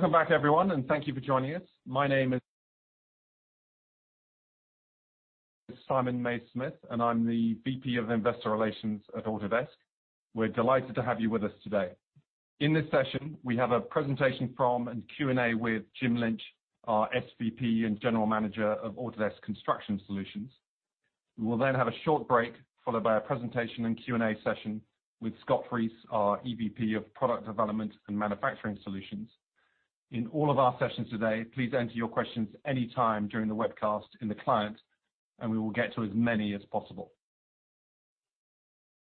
Welcome back, everyone, and thank you for joining us. My name is Simon Mays-Smith, and I'm the VP of Investor Relations at Autodesk. We're delighted to have you with us today. In this session, we have a presentation from and Q&A with Jim Lynch, our SVP and General Manager of Autodesk Construction Solutions. We will then have a short break, followed by a presentation and Q&A session with Scott Reese, our EVP of Product Development and Manufacturing Solutions. In all of our sessions today, please enter your questions any time during the webcast in the client, and we will get to as many as possible.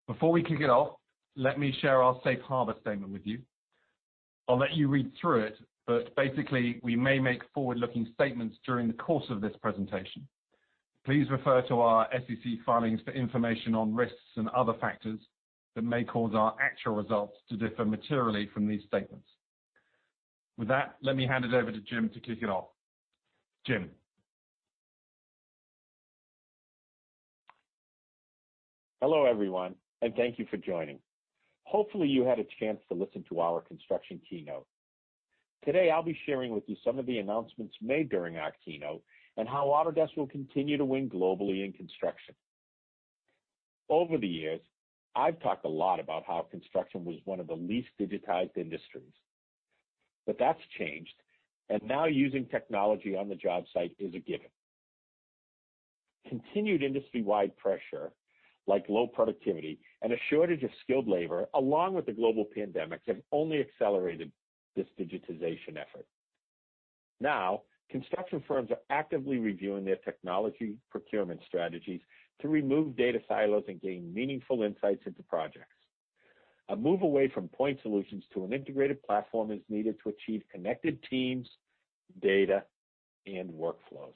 Before we kick it off, let me share our safe harbor statement with you. I'll let you read through it, but basically, we may make forward-looking statements during the course of this presentation. Please refer to our SEC filings for information on risks and other factors that may cause our actual results to differ materially from these statements. With that, let me hand it over to Jim to kick it off. Jim. Hello, everyone, and thank you for joining. Hopefully, you had a chance to listen to our construction keynote. Today, I'll be sharing with you some of the announcements made during our keynote and how Autodesk will continue to win globally in construction. Over the years, I've talked a lot about how construction was one of the least digitized industries. That's changed, and now using technology on the job site is a given. Continued industry-wide pressure, like low productivity and a shortage of skilled labor, along with the global pandemic, have only accelerated this digitization effort. Construction firms are actively reviewing their technology procurement strategies to remove data silos and gain meaningful insights into projects. A move away from point solutions to an integrated platform is needed to achieve connected teams, data, and workflows.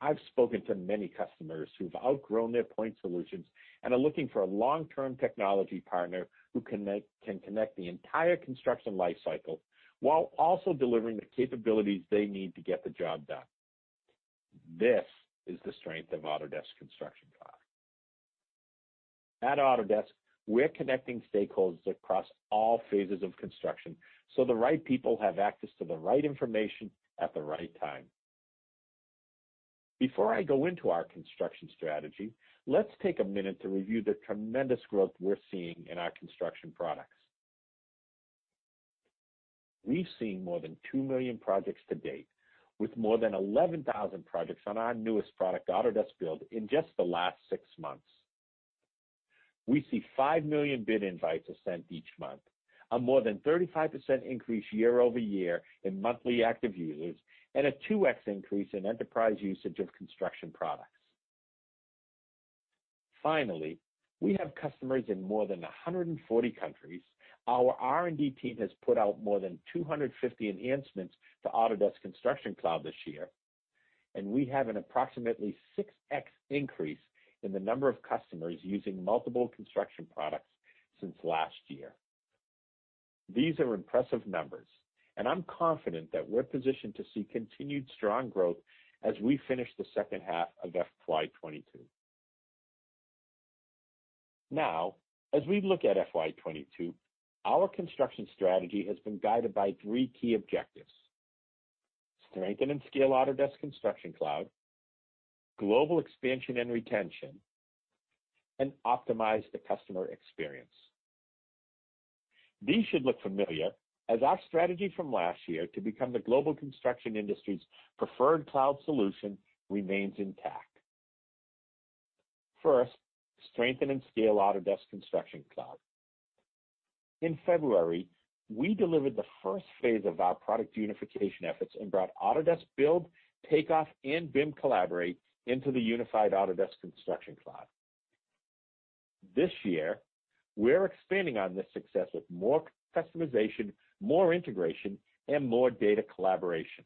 I've spoken to many customers who've outgrown their point solutions and are looking for a long-term technology partner who can connect the entire construction life cycle while also delivering the capabilities they need to get the job done. This is the strength of Autodesk Construction Cloud. At Autodesk, we're connecting stakeholders across all phases of construction so the right people have access to the right information at the right time. Before I go into our construction strategy, let's take a minute to review the tremendous growth we're seeing in our construction products. We've seen more than 2 million projects to date, with more than 11,000 projects on our newest product, Autodesk Build, in just the last six months. We see 5 million bid invites are sent each month, a more than 35% increase year-over-year in monthly active users, and a 2x increase in enterprise usage of construction products. We have customers in more than 140 countries. Our R&D team has put out more than 250 enhancements to Autodesk Construction Cloud this year, and we have an approximately 6x increase in the number of customers using multiple construction products since last year. These are impressive numbers, and I'm confident that we're positioned to see continued strong growth as we finish the second half of FY 2022. Now, as we look at FY 2022, our construction strategy has been guided by three key objectives. Strengthen and scale Autodesk Construction Cloud, global expansion and retention, and optimize the customer experience. These should look familiar as our strategy from last year to become the global construction industry's preferred cloud solution remains intact. First, strengthen and scale Autodesk Construction Cloud. In February, we delivered the first phase of our product unification efforts and brought Autodesk Build, Takeoff, and BIM Collaborate into the unified Autodesk Construction Cloud. This year, we're expanding on this success with more customization, more integration, and more data collaboration.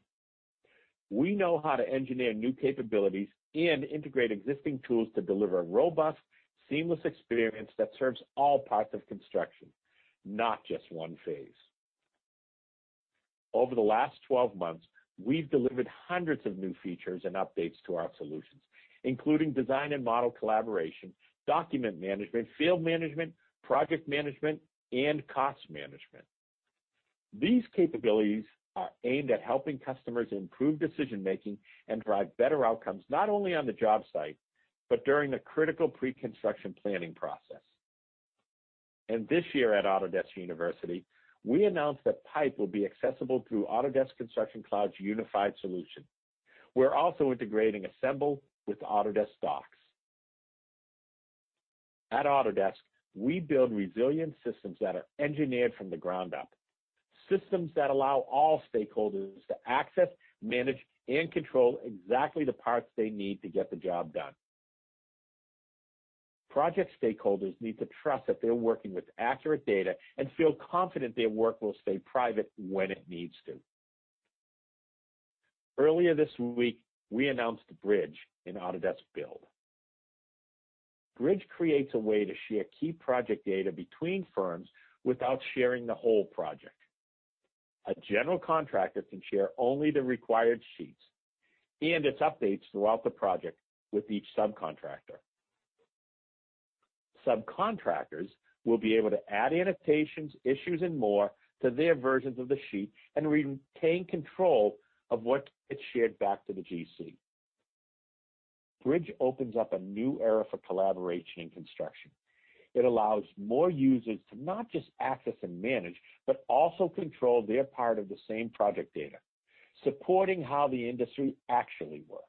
We know how to engineer new capabilities and integrate existing tools to deliver a robust, seamless experience that serves all parts of construction, not just one phase. Over the last 12 months, we've delivered hundreds of new features and updates to our solutions, including design and model collaboration, document management, field management, project management, and Cost Management. These capabilities are aimed at helping customers improve decision making and drive better outcomes, not only on the job site, but during the critical pre-construction planning process. This year at Autodesk University, we announced that Pype will be accessible through Autodesk Construction Cloud's unified solution. We're also integrating Assemble with Autodesk Docs. At Autodesk, we build resilient systems that are engineered from the ground up, systems that allow all stakeholders to access, manage, and control exactly the parts they need to get the job done. Project stakeholders need to trust that they're working with accurate data and feel confident their work will stay private when it needs to. Earlier this week, we announced Bridge in Autodesk Build. Bridge creates a way to share key project data between firms without sharing the whole project. A general contractor can share only the required sheets and its updates throughout the project with each subcontractor. Subcontractors will be able to add annotations, issues, and more to their versions of the sheet and retain control of what gets shared back to the GC. Bridge opens up a new era for collaboration in construction. It allows more users to not just access and manage, but also control their part of the same project data, supporting how the industry actually works,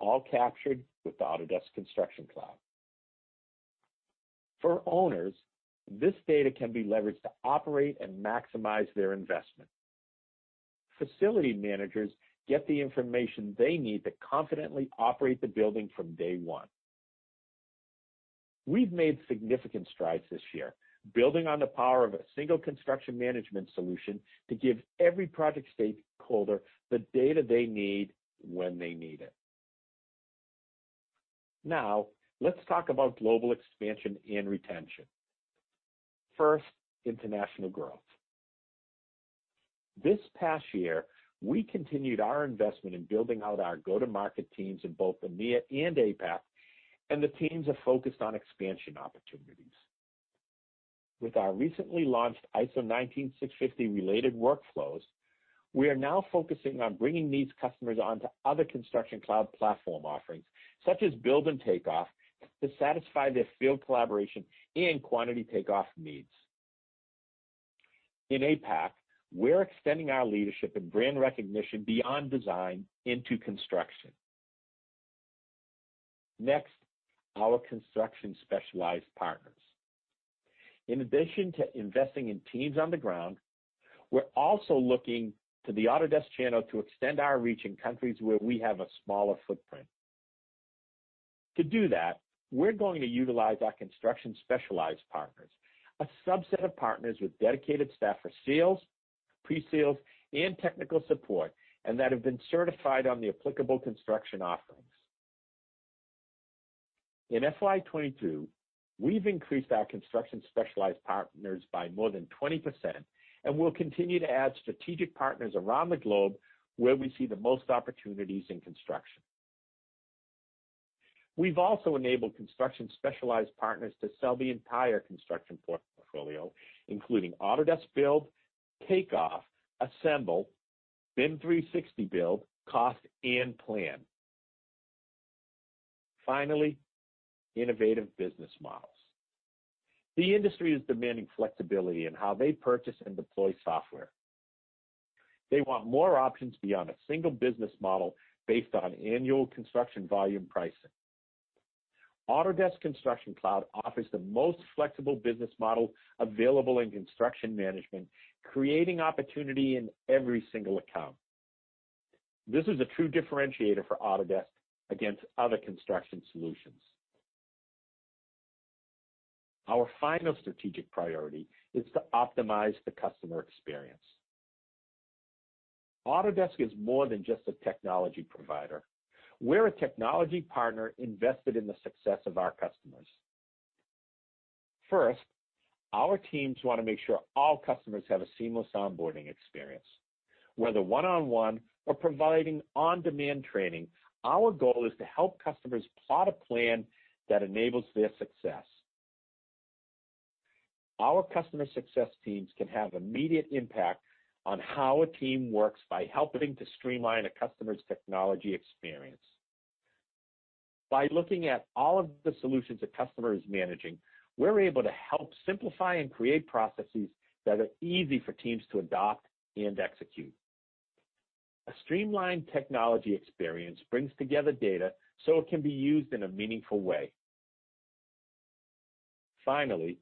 all captured with the Autodesk Construction Cloud. For owners, this data can be leveraged to operate and maximize their investment. Facility managers get the information they need to confidently operate the building from day one. We've made significant strides this year, building on the power of a single construction management solution to give every project stakeholder the data they need when they need it. Now, let's talk about global expansion and retention. First, international growth. This past year, we continued our investment in building out our go-to-market teams in both EMEA and APAC, and the teams are focused on expansion opportunities. With our recently launched ISO 19650 related workflows, we are now focusing on bringing these customers onto other Construction Cloud platform offerings, such as Build and Takeoff, to satisfy their field collaboration and quantity takeoff needs. In APAC, we're extending our leadership and brand recognition beyond design into construction. Next, our construction specialized partners. In addition to investing in teams on the ground, we're also looking to the Autodesk channel to extend our reach in countries where we have a smaller footprint. To do that, we're going to utilize our construction specialized partners, a subset of partners with dedicated staff for sales, pre-sales, and technical support, and that have been certified on the applicable construction offerings. In FY22, we've increased our construction specialized partners by more than 20%, and we'll continue to add strategic partners around the globe where we see the most opportunities in construction. We've also enabled construction specialized partners to sell the entire construction portfolio, including Autodesk Build, Autodesk Takeoff, Autodesk Assemble, BIM 360 Build, Cost, and PlanGrid. Finally, innovative business models. The industry is demanding flexibility in how they purchase and deploy software. They want more options beyond a single business model based on annual construction volume pricing. Autodesk Construction Cloud offers the most flexible business model available in construction management, creating opportunity in every single account. This is a true differentiator for Autodesk against other construction solutions. Our final strategic priority is to optimize the customer experience. Autodesk is more than just a technology provider. We're a technology partner invested in the success of our customers. First, our teams want to make sure all customers have a seamless onboarding experience. Whether one-on-one or providing on-demand training, our goal is to help customers plot a plan that enables their success. Our customer success teams can have immediate impact on how a team works by helping to streamline a customer's technology experience. By looking at all of the solutions a customer is managing, we're able to help simplify and create processes that are easy for teams to adopt and execute. A streamlined technology experience brings together data so it can be used in a meaningful way. Finally,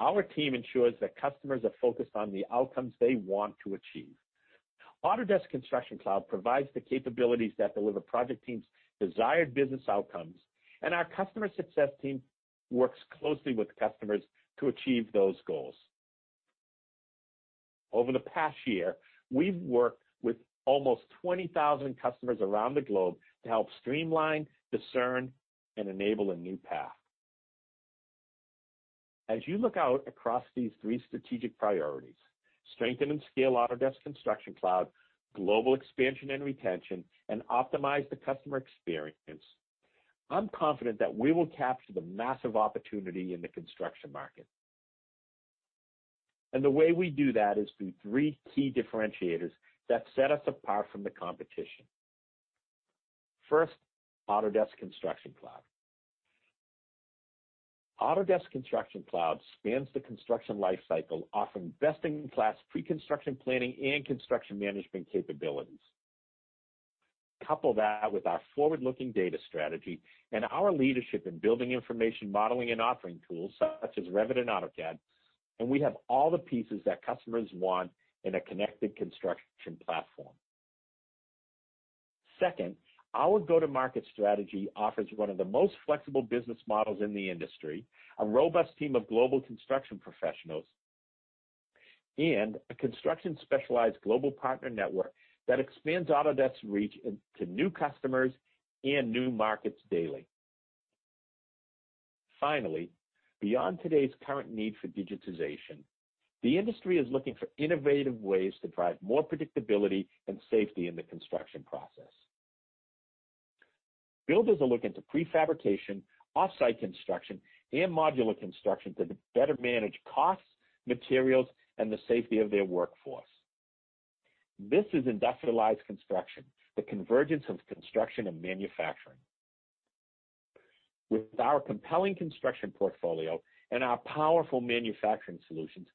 our team ensures that customers are focused on the outcomes they want to achieve. Autodesk Construction Cloud provides the capabilities that deliver project teams' desired business outcomes, and our customer success team works closely with customers to achieve those goals. Over the past year, we've worked with almost 20,000 customers around the globe to help streamline, discern, and enable a new path. As you look out across these three strategic priorities, strengthen and scale Autodesk Construction Cloud, global expansion and retention, and optimize the customer experience, I'm confident that we will capture the massive opportunity in the construction market. The way we do that is through three key differentiators that set us apart from the competition. First, Autodesk Construction Cloud. Autodesk Construction Cloud spans the construction life cycle, offering best-in-class pre-construction planning and construction management capabilities. Couple that with our forward-looking data strategy and our leadership in building information modeling and authoring tools, such as Revit and AutoCAD, and we have all the pieces that customers want in a connected construction platform. Second, our go-to-market strategy offers one of the most flexible business models in the industry, a robust team of global construction professionals, and a construction specialized global partner network that expands Autodesk's reach to new customers and new markets daily. Finally, beyond today's current need for digitization, the industry is looking for innovative ways to drive more predictability and safety in the construction process. Builders are looking to prefabrication, offsite construction, and modular construction to better manage costs, materials, and the safety of their workforce. This is industrialized construction, the convergence of construction and manufacturing. With our compelling construction portfolio and our powerful manufacturing solutions,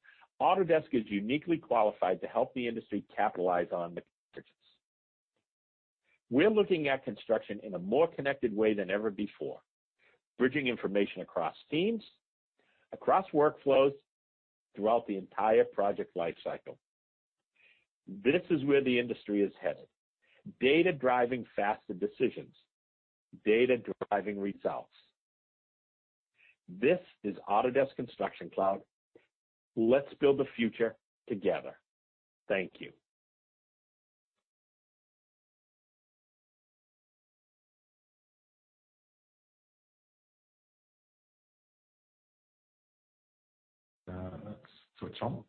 Autodesk is uniquely qualified to help the industry capitalize on the. We're looking at construction in a more connected way than ever before, bridging information across teams, across workflows, throughout the entire project life cycle. This is where the industry is headed. Data driving faster decisions, data driving results. This is Autodesk Construction Cloud. Let's build a future together. Thank you. Let's switch on.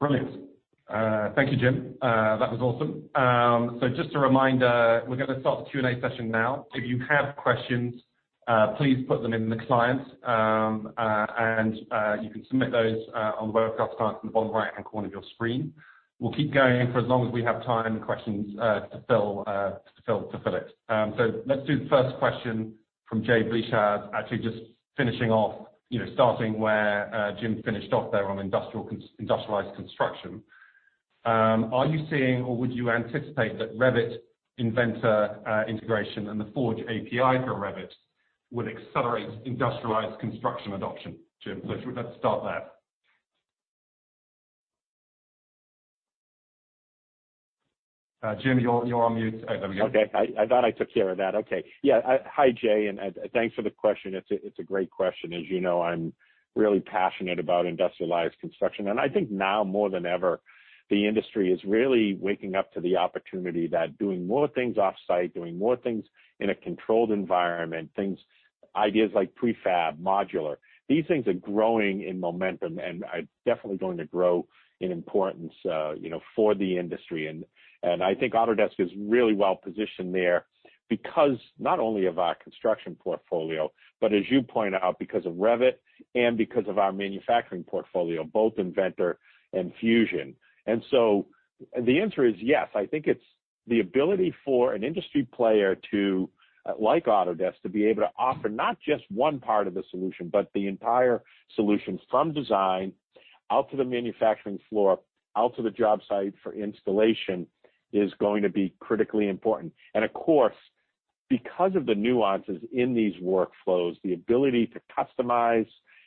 Brilliant. Thank you, Jim. That was awesome. Just a reminder, we're going to start the Q&A session now. If you have questions, please put them in the client, and you can submit those on the webcast client in the bottom right-hand corner of your screen. We'll keep going for as long as we have time and questions to fill it. Let's do the first question from Jay Vleeschhouwer, actually just finishing off, starting where Jim finished off there on industrialized construction. Are you seeing or would you anticipate that Revit, Inventor integration, and the Forge API for Revit would accelerate industrialized construction adoption, Jim? Let's start there. Jim, you're on mute. There we go. Okay, I thought I took care of that. Okay. Yeah. Hi, Jay. Thanks for the question. It's a great question. As you know, I'm really passionate about industrialized construction, and I think now more than ever, the industry is really waking up to the opportunity that doing more things offsite, doing more things in a controlled environment, ideas like prefab, modular. These things are growing in momentum and are definitely going to grow in importance for the industry. I think Autodesk is really well positioned there because not only of our construction portfolio, but as you point out, because of Revit and because of our manufacturing portfolio, both Inventor and Fusion. The answer is yes, I think it's the ability for an industry player like Autodesk, to be able to offer not just one part of the solution, but the entire solution, from design out to the manufacturing floor, out to the job site for installation, is going to be critically important. Of course, because of the nuances in these workflows, the ability to customize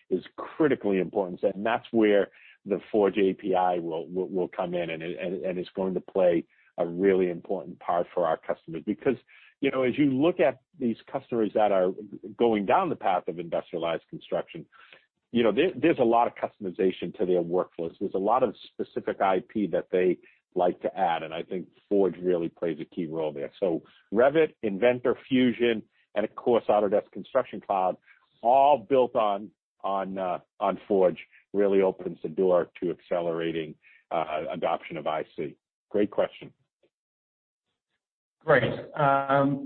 is critically important. That's where the Forge API will come in, and it's going to play a really important part for our customers. Because as you look at these customers that are going down the path of industrialized construction, there's a lot of customization to their workflows. There's a lot of specific IP that they like to add, and I think Forge really plays a key role there. Revit, Inventor, Fusion, and of course, Autodesk Construction Cloud, all built on Forge, really opens the door to accelerating adoption of IC. Great question. Great.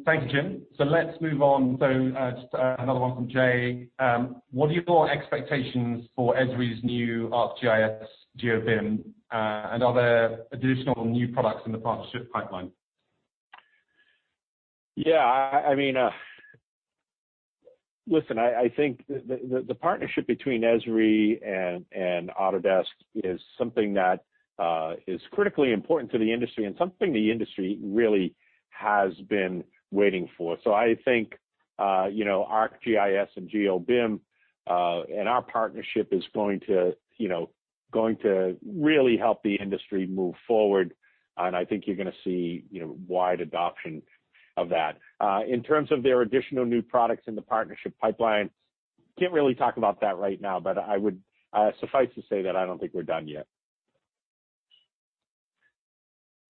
Thank you, Jim. Let's move on, though, just another one from Jay. What are your expectations for Esri's new ArcGIS GeoBIM and other additional new products in the partnership pipeline? Listen, I think the partnership between Esri and Autodesk is something that is critically important to the industry and something the industry really has been waiting for. I think ArcGIS and ArcGIS GeoBIM, and our partnership is going to really help the industry move forward, and I think you're going to see wide adoption of that. In terms of their additional new products in the partnership pipeline, can't really talk about that right now, but suffice to say that I don't think we're done yet.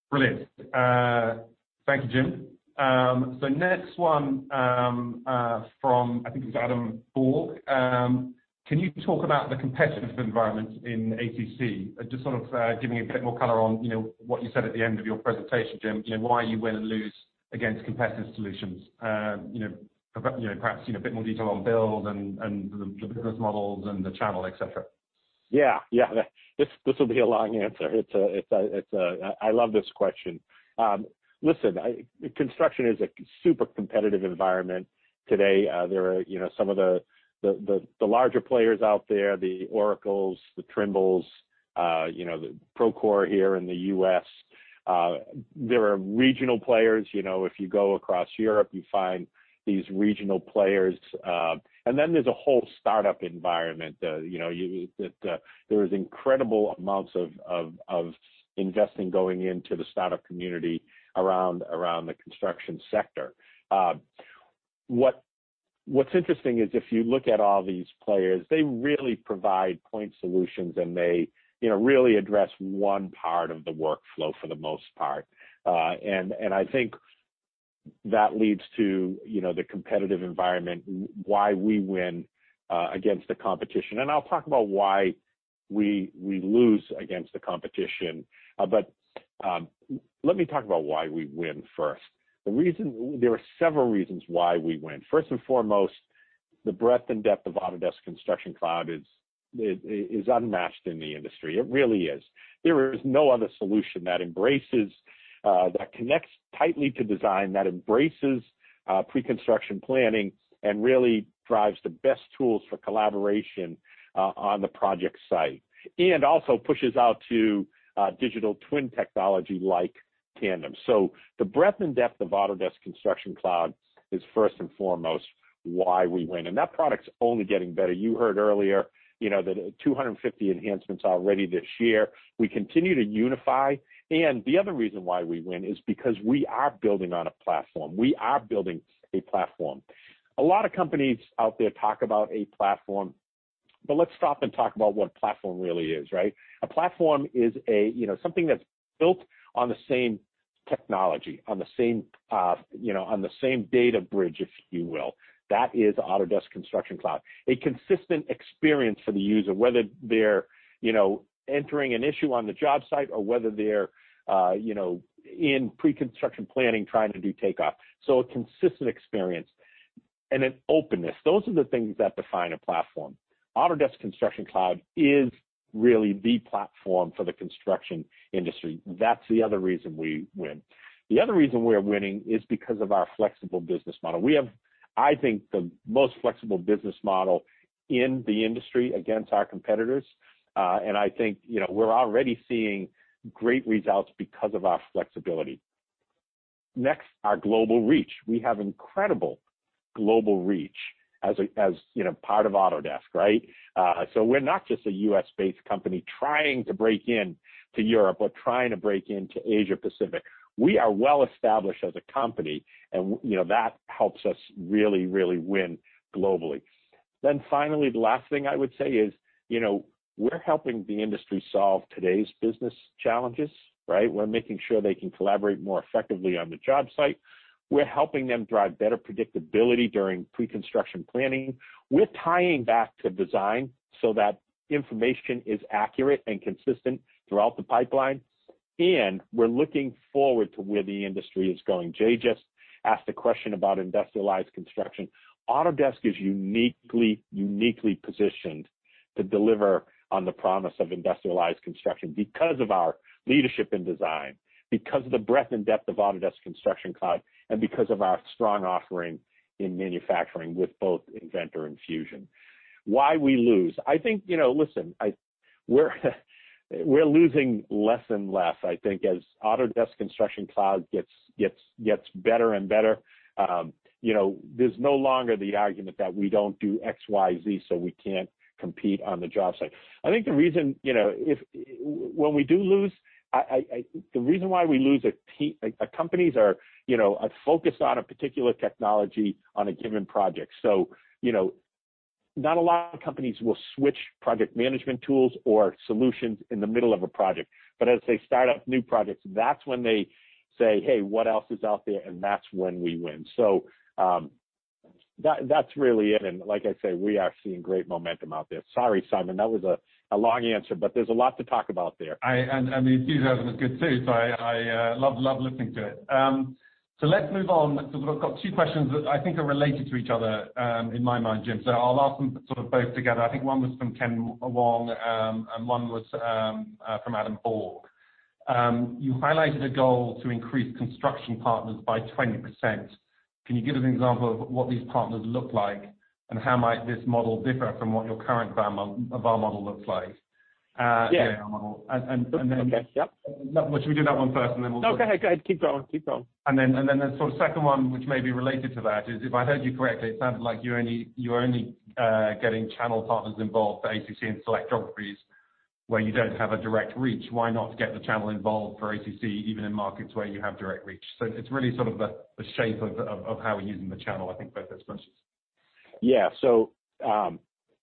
Brilliant. Thank you, Jim. Next one, from, I think it's Adam Borg. Can you talk about the competitive environment in ACC? Just sort of giving a bit more color on what you said at the end of your presentation, Jim, why you win and lose against competitive solutions. Perhaps a bit more detail on Build and the business models and the channel, et cetera. Yeah. This will be a long answer. I love this question. Listen, construction is a super competitive environment today. There are some of the larger players out there, the Oracle, the Trimble, the Procore here in the U.S. There are regional players. If you go across Europe, you find these regional players. Then there's a whole startup environment. There is incredible amounts of investing going into the startup community around the construction sector. What's interesting is if you look at all these players, they really provide point solutions, and they really address one part of the workflow for the most part. I think that leads to the competitive environment, why we win against the competition. I'll talk about why we lose against the competition. Let me talk about why we win first. There are several reasons why we win. First and foremost, the breadth and depth of Autodesk Construction Cloud is unmatched in the industry. It really is. There is no other solution that connects tightly to design, that embraces pre-construction planning, and really drives the best tools for collaboration on the project site, and also pushes out to digital twin technology like Tandem. The breadth and depth of Autodesk Construction Cloud is first and foremost why we win, and that product's only getting better. You heard earlier, the 250 enhancements already this year. We continue to unify. The other reason why we win is because we are building on a platform. We are building a platform. A lot of companies out there talk about a platform, but let's stop and talk about what a platform really is, right? A platform is something that's built on the same technology, you know, on the same data bridge, if you will. That is Autodesk Construction Cloud. A consistent experience for the user, whether they're, you know, entering an issue on the job site or whether they're, you know, in pre-construction planning trying to do takeoff. A consistent experience and an openness. Those are the things that define a platform. Autodesk Construction Cloud is really the platform for the construction industry. That's the other reason we win. The other reason we're winning is because of our flexible business model. We have, I think, the most flexible business model in the industry against our competitors. I think we're already seeing great results because of our flexibility. Next, our global reach. We have incredible global reach as part of Autodesk, right? We're not just a U.S.-based company trying to break into Europe or trying to break into Asia Pacific. We are well established as a company, and that helps us really, really win globally. Finally, the last thing I would say is we're helping the industry solve today's business challenges, right? We're making sure they can collaborate more effectively on the job site. We're helping them drive better predictability during pre-construction planning. We're tying back to design so that information is accurate and consistent throughout the pipeline, and we're looking forward to where the industry is going. Jay just asked a question about industrialized construction. Autodesk is uniquely positioned to deliver on the promise of industrialized construction because of our leadership in design, because of the breadth and depth of Autodesk Construction Cloud, and because of our strong offering in manufacturing with both Inventor and Fusion. Why we lose. I think, listen, we're losing less and less, I think, as Autodesk Construction Cloud gets better and better. There's no longer the argument that we don't do XYZ, we can't compete on the job site. I think when we do lose, the reason why we lose, companies are focused on a particular technology on a given project. Not a lot of companies will switch project management tools or solutions in the middle of a project. As they start up new projects, that's when they say, "Hey, what else is out there?" That's when we win. That's really it, and like I say, we are seeing great momentum out there. Sorry, Simon, that was a long answer, there's a lot to talk about there. The enthusiasm is good too, so I loved listening to it. Let's move on because we've got two questions that I think are related to each other in my mind, Jim. I'll ask them both together. I think one was from Ken Wong, and one was from Adam Borg. You highlighted a goal to increase construction partners by 20%. Can you give an example of what these partners look like, and how might this model differ from what your current VAR model looks like? Yeah. And then- Okay. Yep Shall we do that one first? No, go ahead. Keep going The second one, which may be related to that, is if I heard you correctly, it sounds like you're only getting channel partners involved for ACC in select geographies where you don't have a direct reach. Why not get the channel involved for ACC even in markets where you have direct reach? It's really the shape of how we're using the channel, I think, both those questions. Yeah.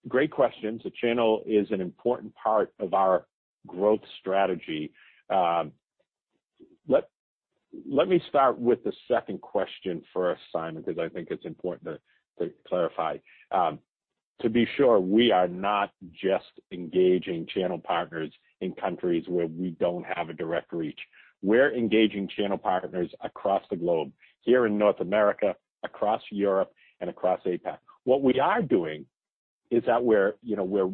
Great questions. The channel is an important part of our growth strategy. Let me start with the second question first, Simon, because I think it's important to clarify. To be sure, we are not just engaging channel partners in countries where we don't have a direct reach. We're engaging channel partners across the globe, here in North America, across Europe, and across APAC. What we are doing is that we're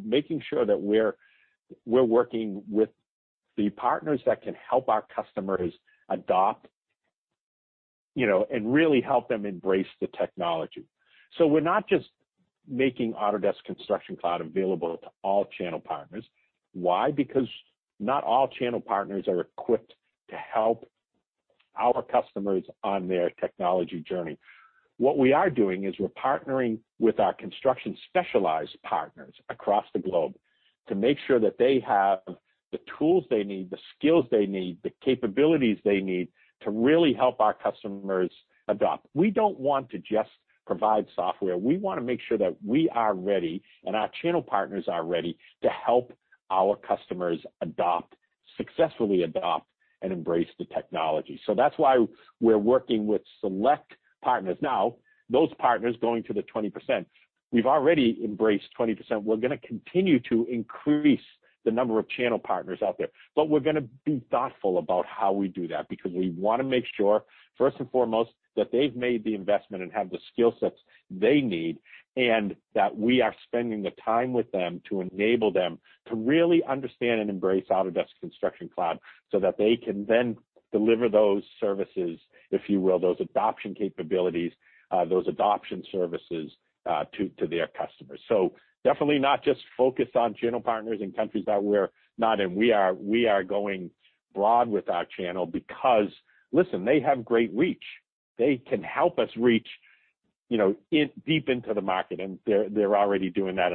making sure that we're working with the partners that can help our customers adopt, and really help them embrace the technology. We're not just making Autodesk Construction Cloud available to all channel partners. Why? Because not all channel partners are equipped to help our customers on their technology journey. What we are doing is we're partnering with our construction specialized partners across the globe to make sure that they have the tools they need, the skills they need, the capabilities they need to really help our customers adopt. We don't want to just provide software. We want to make sure that we are ready, and our channel partners are ready to help our customers successfully adopt and embrace the technology. That is why we're working with select partners now, those partners going to the 20%. We've already embraced 20%. We're going to continue to increase the number of channel partners out there, but we're going to be thoughtful about how we do that, because we want to make sure, first and foremost, that they've made the investment and have the skill sets they need, and that we are spending the time with them to enable them to really understand and embrace Autodesk Construction Cloud so that they can then deliver those services, if you will, those adoption capabilities, those adoption services to their customers. Definitely not just focused on channel partners in countries that we're not in. We are going broad with our channel because, listen, they have great reach. They can help us reach deep into the market, and they're already doing that.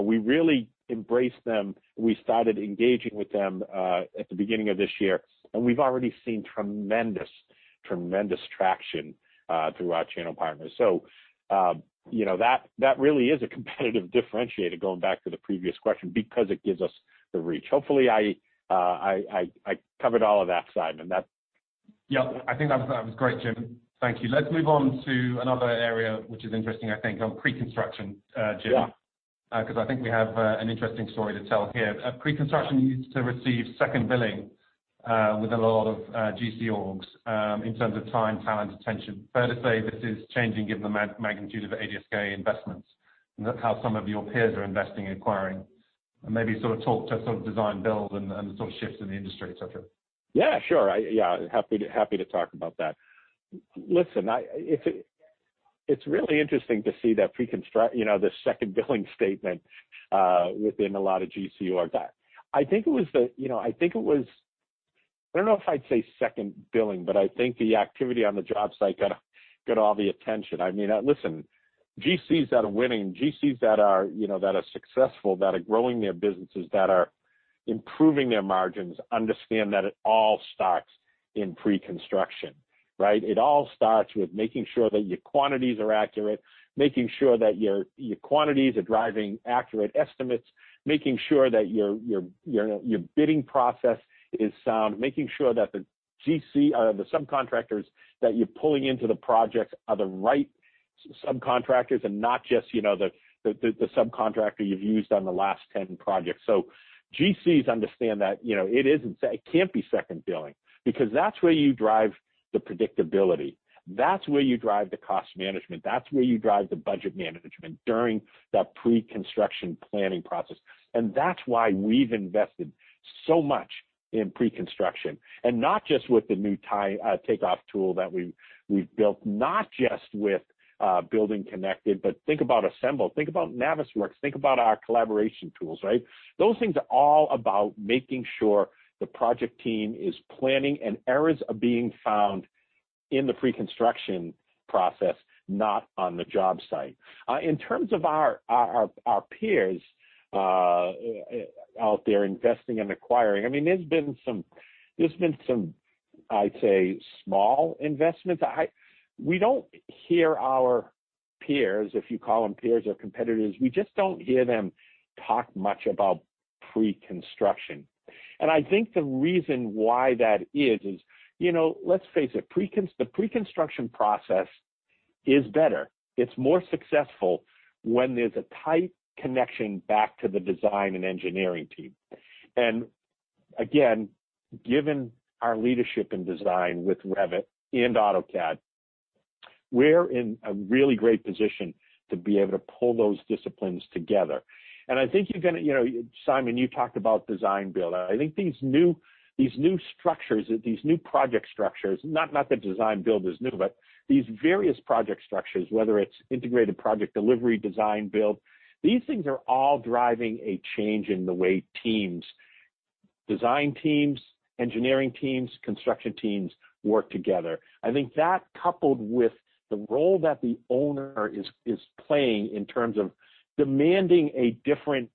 We really embrace them. We started engaging with them at the beginning of this year, and we've already seen tremendous traction through our channel partners. That really is a competitive differentiator, going back to the previous question, because it gives us the reach. Hopefully, I covered all of that, Simon. Yeah, I think that was great, Jim. Thank you. Let's move on to another area, which is interesting, I think, on pre-construction, Jim. Yeah. I think we have an interesting story to tell here. Pre-construction used to receive second billing with a lot of GC orgs, in terms of time, talent, attention. Fair to say this is changing given the magnitude of the ADSK investments and how some of your peers are investing, acquiring, and maybe talk to design build and the shifts in the industry, et cetera. Yeah, sure. Happy to talk about that. Listen, it's really interesting to see the second billing statement within a lot of GC org. I don't know if I'd say second billing, but I think the activity on the job site got all the attention. Listen, GCs that are winning, GCs that are successful, that are growing their businesses, that are improving their margins, understand that it all starts in pre-construction. Right? It all starts with making sure that your quantities are accurate, making sure that your quantities are driving accurate estimates, making sure that your bidding process is sound, making sure that the subcontractors that you're pulling into the projects are the right subcontractors and not just the subcontractor you've used on the last 10 projects. GCs understand that it can't be second billing, because that's where you drive the predictability. That's where you drive the Cost Management. That's where you drive the budget management during that pre-construction planning process. That's why we've invested so much in pre-construction. Not just with the new takeoff tool that we've built, not just with BuildingConnected, but think about Assemble, think about Navisworks, think about our collaboration tools, right? Those things are all about making sure the project team is planning, and errors are being found in the pre-construction process, not on the job site. In terms of our peers out there investing and acquiring, there's been some, I'd say, small investments. We don't hear our peers, if you call them peers or competitors, we just don't hear them talk much about pre-construction. I think the reason why that is, you know, let's face it, the pre-construction process is better. It's more successful when there's a tight connection back to the design and engineering team. Again, given our leadership in design with Revit and AutoCAD, we're in a really great position to be able to pull those disciplines together. Simon, you talked about design build. I think these new project structures, not that design build is new, but these various project structures, whether it's integrated project delivery, design build, these things are all driving a change in the way teams, design teams, engineering teams, construction teams, work together. I think that, coupled with the role that the owner is playing in terms of demanding a different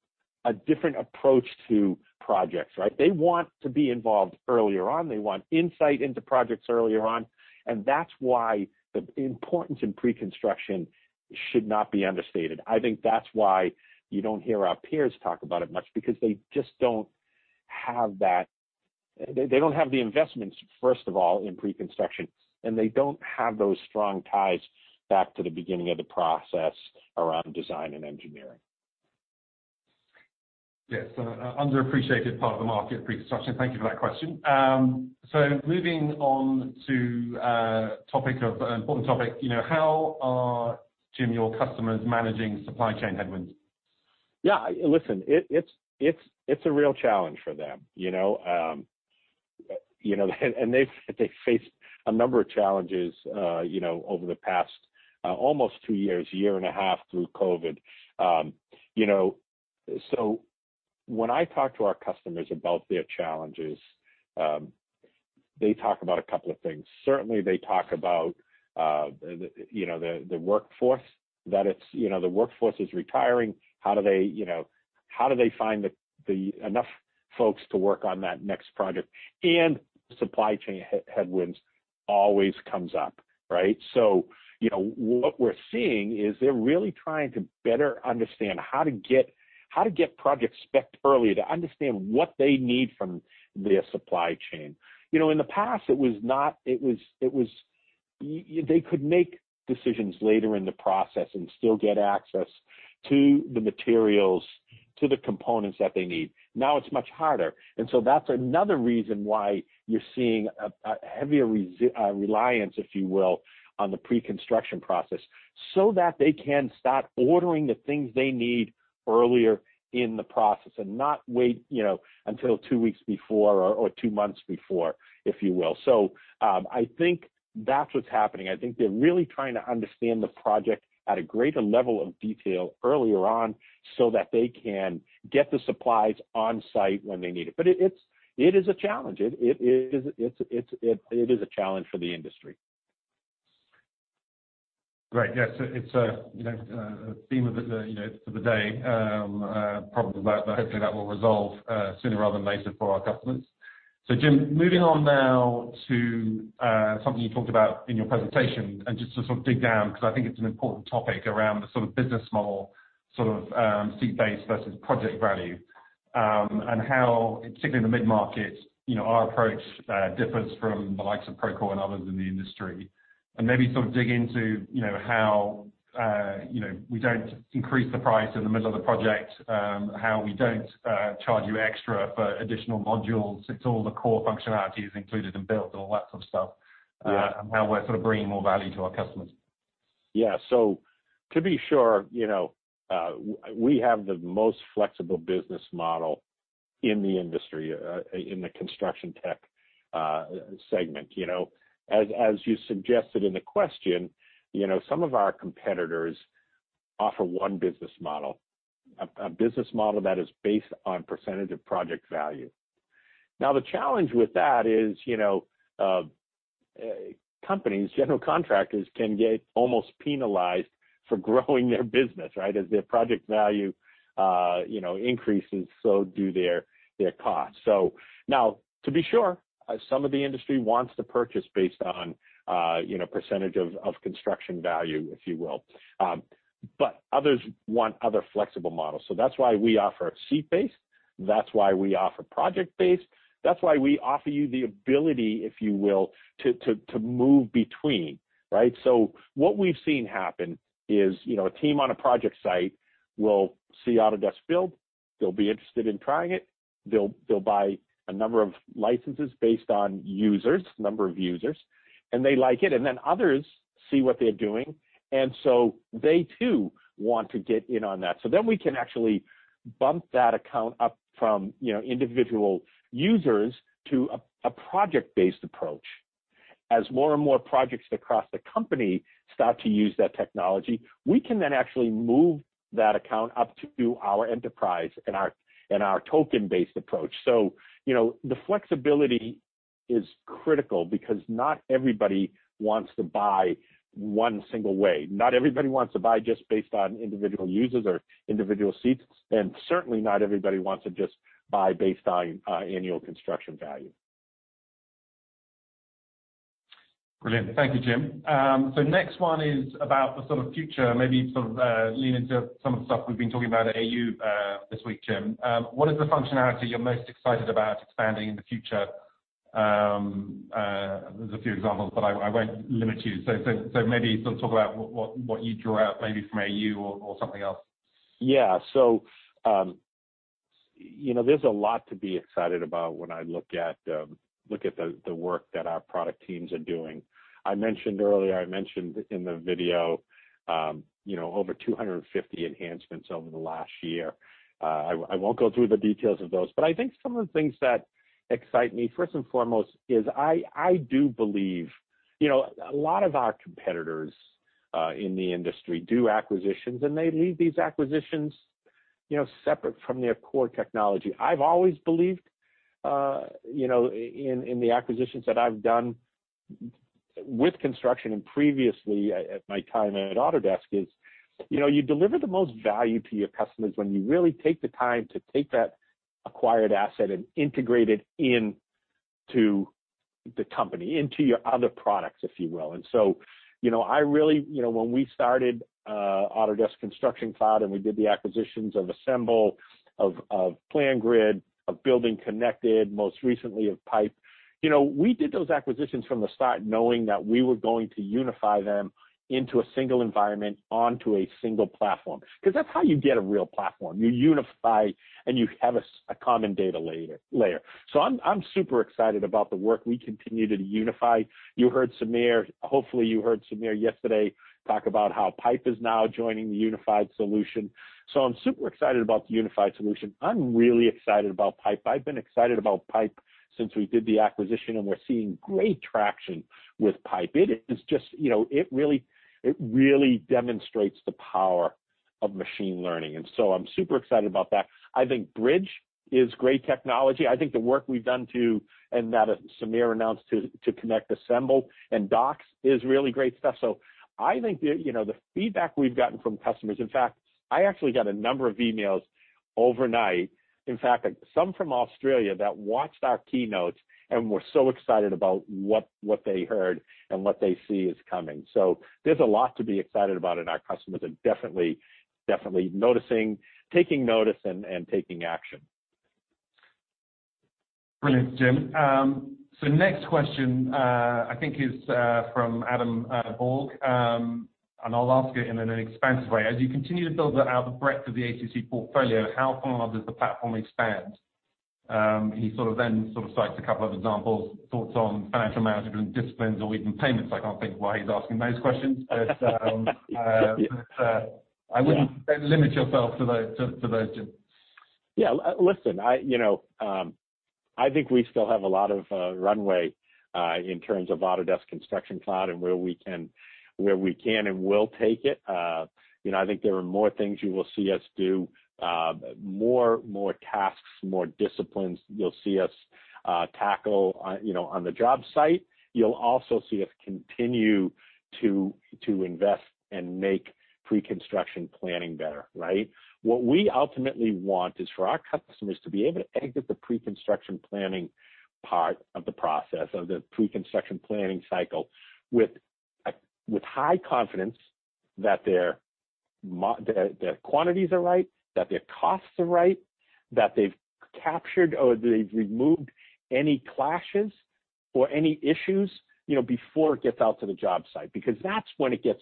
approach to projects, right? They want to be involved earlier on. They want insight into projects earlier on, that's why the importance in pre-construction should not be understated. I think that's why you don't hear our peers talk about it much, because they don't have the investments, first of all, in pre-construction, and they don't have those strong ties back to the beginning of the process around design and engineering. Yes. Underappreciated part of the market, pre-construction. Thank you for that question. Moving on to important topic. How are, Jim, your customers managing supply chain headwinds? Yeah. Listen, it's a real challenge for them, you know. They've faced a number of challenges, you know, over the past almost two years, year and a half, through COVID, you know. When I talk to our customers about their challenges, they talk about a couple of things. Certainly, they talk about the workforce. The workforce is retiring. How do they find enough folks to work on that next project? Supply chain headwinds always comes up, right? You know, what we're seeing is they're really trying to better understand how to get projects spec'd early, to understand what they need from their supply chain. You know, in the past, they could make decisions later in the process and still get access to the materials, to the components that they need. Now it's much harder. That's another reason why you're seeing a heavier reliance, if you will, on the pre-construction process, so that they can start ordering the things they need earlier in the process and not wait, you know, until two weeks before or two months before, if you will. I think that's what's happening. I think they're really trying to understand the project at a greater level of detail earlier on, so that they can get the supplies on-site when they need it. It is a challenge. It is a challenge for the industry. Great. Yeah. It's a theme of the day, probably, but hopefully that will resolve sooner rather than later for our customers. Jim, moving on now to something you talked about in your presentation, and just to sort of dig down, because I think it's an important topic around the business model, seat-based versus project value, and how, particularly in the mid-market, our approach differs from the likes of Procore and others in the industry. Maybe dig into how we don't increase the price in the middle of the project, how we don't charge you extra for additional modules. It's all the core functionality is included and built, all that sort of stuff. Yeah How we're bringing more value to our customers. Yeah. To be sure, you know, we have the most flexible business model in the industry, in the construction tech segment, you know. As you suggested in the question,, you know, some of our competitors offer one business model, a business model that is based on percentage of project value. Now, the challenge with that is, you know, companies, general contractors, can get almost penalized for growing their business, right? As their project value, you know, increases, so do their costs. Now, to be sure, some of the industry wants to purchase based on percentage of construction value, if you will. Others want other flexible models. That's why we offer seat-based, that's why we offer project-based. That's why we offer you the ability, if you will, to move between. Right? What we've seen happen is, you know, a team on a project site will see Autodesk Build, they'll be interested in trying it, they'll buy a number of licenses based on users, a number of users, and they like it, and then others see what they're doing and so they too want to get in on that. Then we can actually bump that account up from, you know, individual users to a project-based approach. As more and more projects across the company start to use that technology, we can then actually move that account up to our enterprise and our token-based approach. You know, the flexibility is critical because not everybody wants to buy one single way. Not everybody wants to buy just based on individual users or individual seats, and certainly not everybody wants to just buy based on annual construction value. Brilliant. Thank you, Jim. Next one is about the future, maybe lean into some of the stuff we've been talking about at AU this week, Jim. What is the functionality you're most excited about expanding in the future? There's a few examples, but I won't limit you. Maybe talk about what you drew out maybe from AU or something else. Yeah. You know there's a lot to be excited about when I look at the work that our product teams are doing. I mentioned earlier, I mentioned in the video, over 250 enhancements over the last year. I won't go through the details of those, but I think some of the things that excite me, first and foremost, is I do believe, you know, a lot of our competitors in the industry do acquisitions, and they leave these acquisitions, you know, separate from their core technology. I've always believed, you know, in the acquisitions that I've done with construction and previously at my time at Autodesk, is you deliver the most value to your customers when you really take the time to take that acquired asset and integrate it into the company, into your other products, if you will. When we started Autodesk Construction Cloud, and we did the acquisitions of Assemble, of PlanGrid, of BuildingConnected, most recently of Pype, you know, we did those acquisitions from the start knowing that we were going to unify them into a single environment, onto a single platform. Because that's how you get a real platform. You unify, and you have a common data layer. I'm super excited about the work we continue to unify. You heard Sameer. Hopefully you heard Sameer yesterday talk about how Pype is now joining the unified solution. I'm super excited about the unified solution. I'm really excited about Pype. I've been excited about Pype since we did the acquisition, and we're seeing great traction with Pype. You know it really demonstrates the power of machine learning. I'm super excited about that. I think Bridge is great technology. I think the work we've done to, and that Sameer announced to connect Assemble and Docs is really great stuff. I think the feedback we've gotten from customers. In fact, I actually got a number of emails overnight, in fact, some from Australia, that watched our keynotes and were so excited about what they heard and what they see is coming. There's a lot to be excited about, and our customers are definitely noticing, taking notice, and taking action. Brilliant, Jim. Next question, I think is from Adam Borg, and I'll ask it in an expansive way. As you continue to build out the breadth of the ACC portfolio, how far does the platform expand? He cites a couple of examples, thoughts on financial management disciplines or even payments. I can't think why he's asking those questions. I wouldn't limit yourself to those, Jim. Yeah. Listen, I, you know, think we still have a lot of runway in terms of Autodesk Construction Cloud and where we can and will take it. I think there are more things you will see us do, more tasks, more disciplines you'll see us tackle, you know, on the job site. You'll also see us continue to invest and make pre-construction planning better, right? What we ultimately want is for our customers to be able to exit the pre-construction planning part of the process, of the pre-construction planning cycle, with high confidence that their quantities are right, that their costs are right, that they've captured or they've removed any clashes or any issues, you know, before it gets out to the job site, because that's when it gets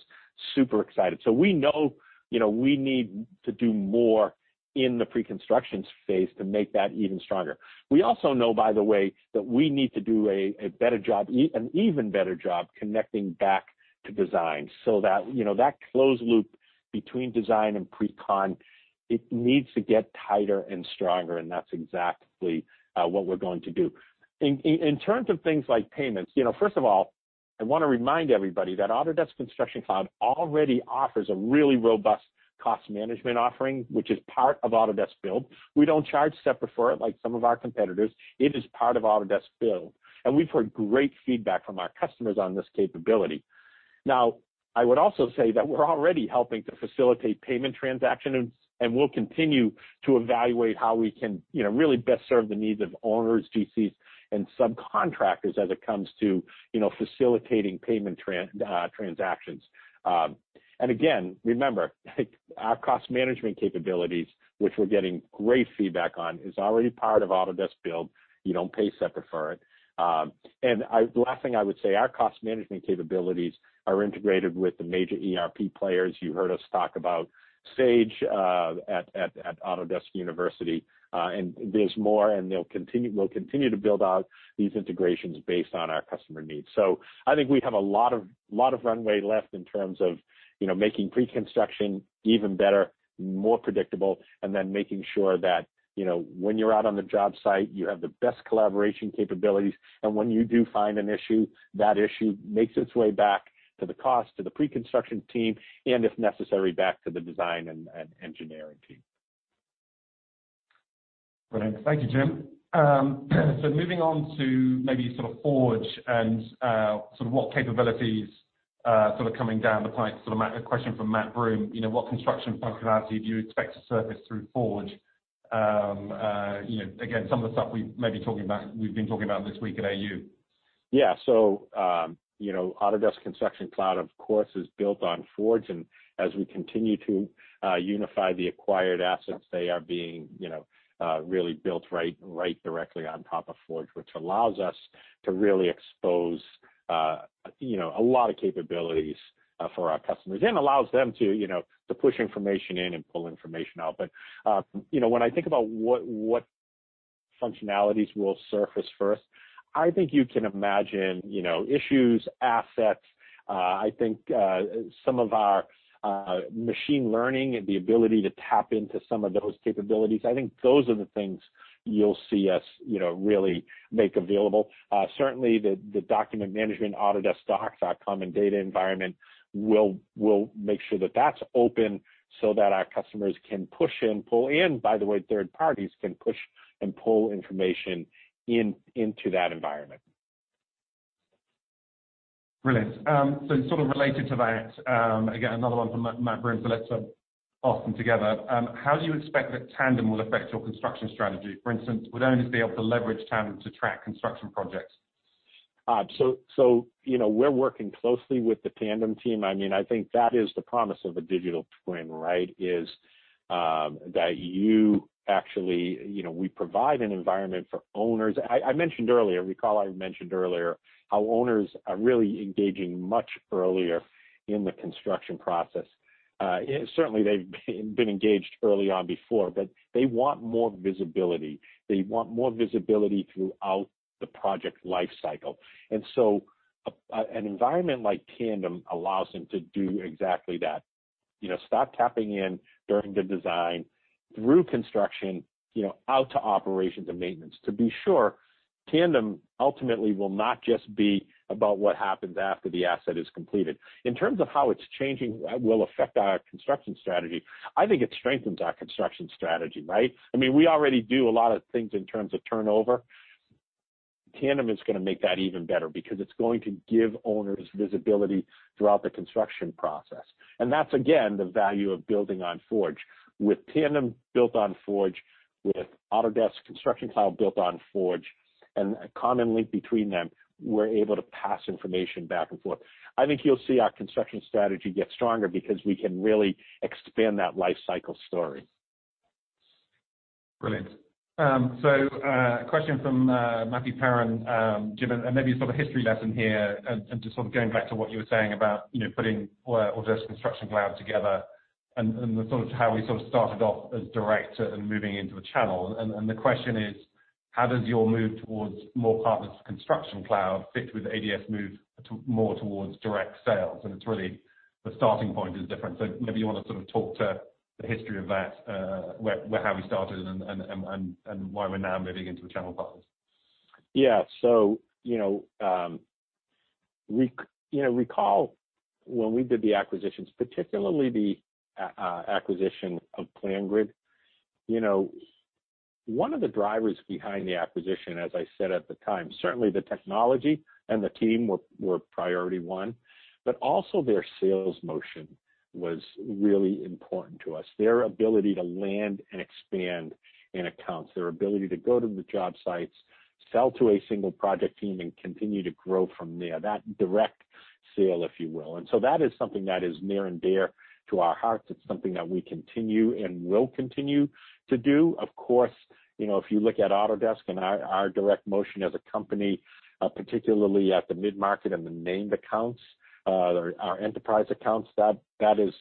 super excited. We know we need to do more in the pre-construction phase to make that even stronger. We also know, by the way, that we need to do an even better job connecting back to design so that that closed loop between design and pre-con, it needs to get tighter and stronger, and that's exactly what we're going to do. In terms of things like payments, you know, first of all, I want to remind everybody that Autodesk Construction Cloud already offers a really robust Cost Management offering, which is part of Autodesk Build. We don't charge separate for it like some of our competitors. It is part of Autodesk Build, and we've heard great feedback from our customers on this capability. Now, I would also say that we're already helping to facilitate payment transactions, and we'll continue to evaluate how we can really best serve the needs of owners, GCs, and subcontractors as it comes to facilitating payment transactions. Again, remember, our Cost Management capabilities, which we're getting great feedback on, is already part of Autodesk Build. You don't pay separate for it. The last thing I would say, our Cost Management capabilities are integrated with the major ERP players. You heard us talk about Sage at Autodesk University. There's more, and we'll continue to build out these integrations based on our customer needs. I think we have a lot of runway left in terms of making pre-construction even better, more predictable, and then making sure that when you're out on the job site, you have the best collaboration capabilities, and when you do find an issue, that issue makes its way back to the cost, to the pre-construction team, and, if necessary, back to the design and engineering team. Brilliant. Thank you, Jim. Moving on to Forge and what capabilities are coming down the pipe. A question from Matt Broome. What construction functionality do you expect to surface through Forge? Again, some of the stuff we've been talking about this week at AU. Autodesk Construction Cloud, of course, is built on Forge, and as we continue to unify the acquired assets, they are being, you know, really built right directly on top of Forge, which allows us to really expose, you know, a lot of capabilities for our customers and allows them to, you know, push information in and pull information out. You know when I think about what functionalities will surface first, I think you can imagine issues, assets. I think some of our machine learning and the ability to tap into some of those capabilities, I think those are the things you'll see us, you know, really make available. Certainly, the document management, Autodesk Docs, our common data environment, we'll make sure that that's open so that our customers can push and pull, and, by the way, third parties can push and pull information into that environment. Brilliant. Sort of related to that, again, another one from Matt Broome, let's ask them together. How do you expect that Tandem will affect your construction strategy? For instance, would owners be able to leverage Tandem to track construction projects? We're working closely with the Tandem team. I think that is the promise of a digital twin, right, is that you actually, you know, we provide an environment for owners. Recall I mentioned earlier how owners are really engaging much earlier in the construction process. Certainly, they've been engaged early on before, but they want more visibility. They want more visibility throughout the project life cycle. An environment like Tandem allows them to do exactly that. Start tapping in during the design, through construction, out to operations and maintenance. To be sure, Tandem ultimately will not just be about what happens after the asset is completed. In terms of how it's changing, will affect our construction strategy. I think it strengthens our construction strategy, right? We already do a lot of things in terms of turnover. Tandem is going to make that even better because it's going to give owners visibility throughout the construction process, and that's, again, the value of building on Forge. With Tandem built on Forge, with Autodesk Construction Cloud built on Forge, and a common link between them, we're able to pass information back and forth. I think you'll see our construction strategy get stronger because we can really expand that life cycle story. Brilliant. A question from Matthew Perrin, Jim, maybe a sort of history lesson here, just sort of going back to what you were saying about putting Autodesk Construction Cloud together and how we started off as direct and moving into a channel. The question is, how does your move towards more partners Construction Cloud fit with ADSK's move more towards direct sales? It's really the starting point is different. Maybe you want to sort of talk to the history of that, how we started and why we're now moving into a channel partners. You know, recall when we did the acquisitions, particularly the acquisition of PlanGrid. You know, one of the drivers behind the acquisition, as I said at the time, certainly the technology and the team were priority one, but also their sales motion was really important to us. Their ability to land and expand in accounts, their ability to go to the job sites, sell to a single project team, and continue to grow from there. That direct sale, if you will. That is something that is near and dear to our hearts. It's something that we continue and will continue to do. Of course, if you look at Autodesk and our direct motion as a company, particularly at the mid-market and the named accounts, our enterprise accounts,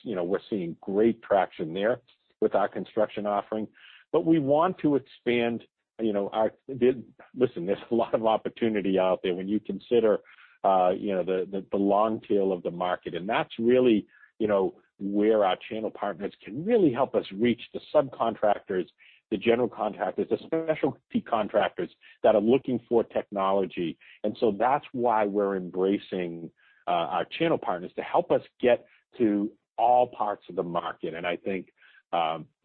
you know, we are seeing great traction there with our construction offering. We want to expand. Listen, there's a lot of opportunity out there when you consider the long tail of the market. That's really, you know, where our channel partners can really help us reach the subcontractors, the general contractors, the specialty contractors that are looking for technology. That's why we're embracing our channel partners to help us get to all parts of the market. I think,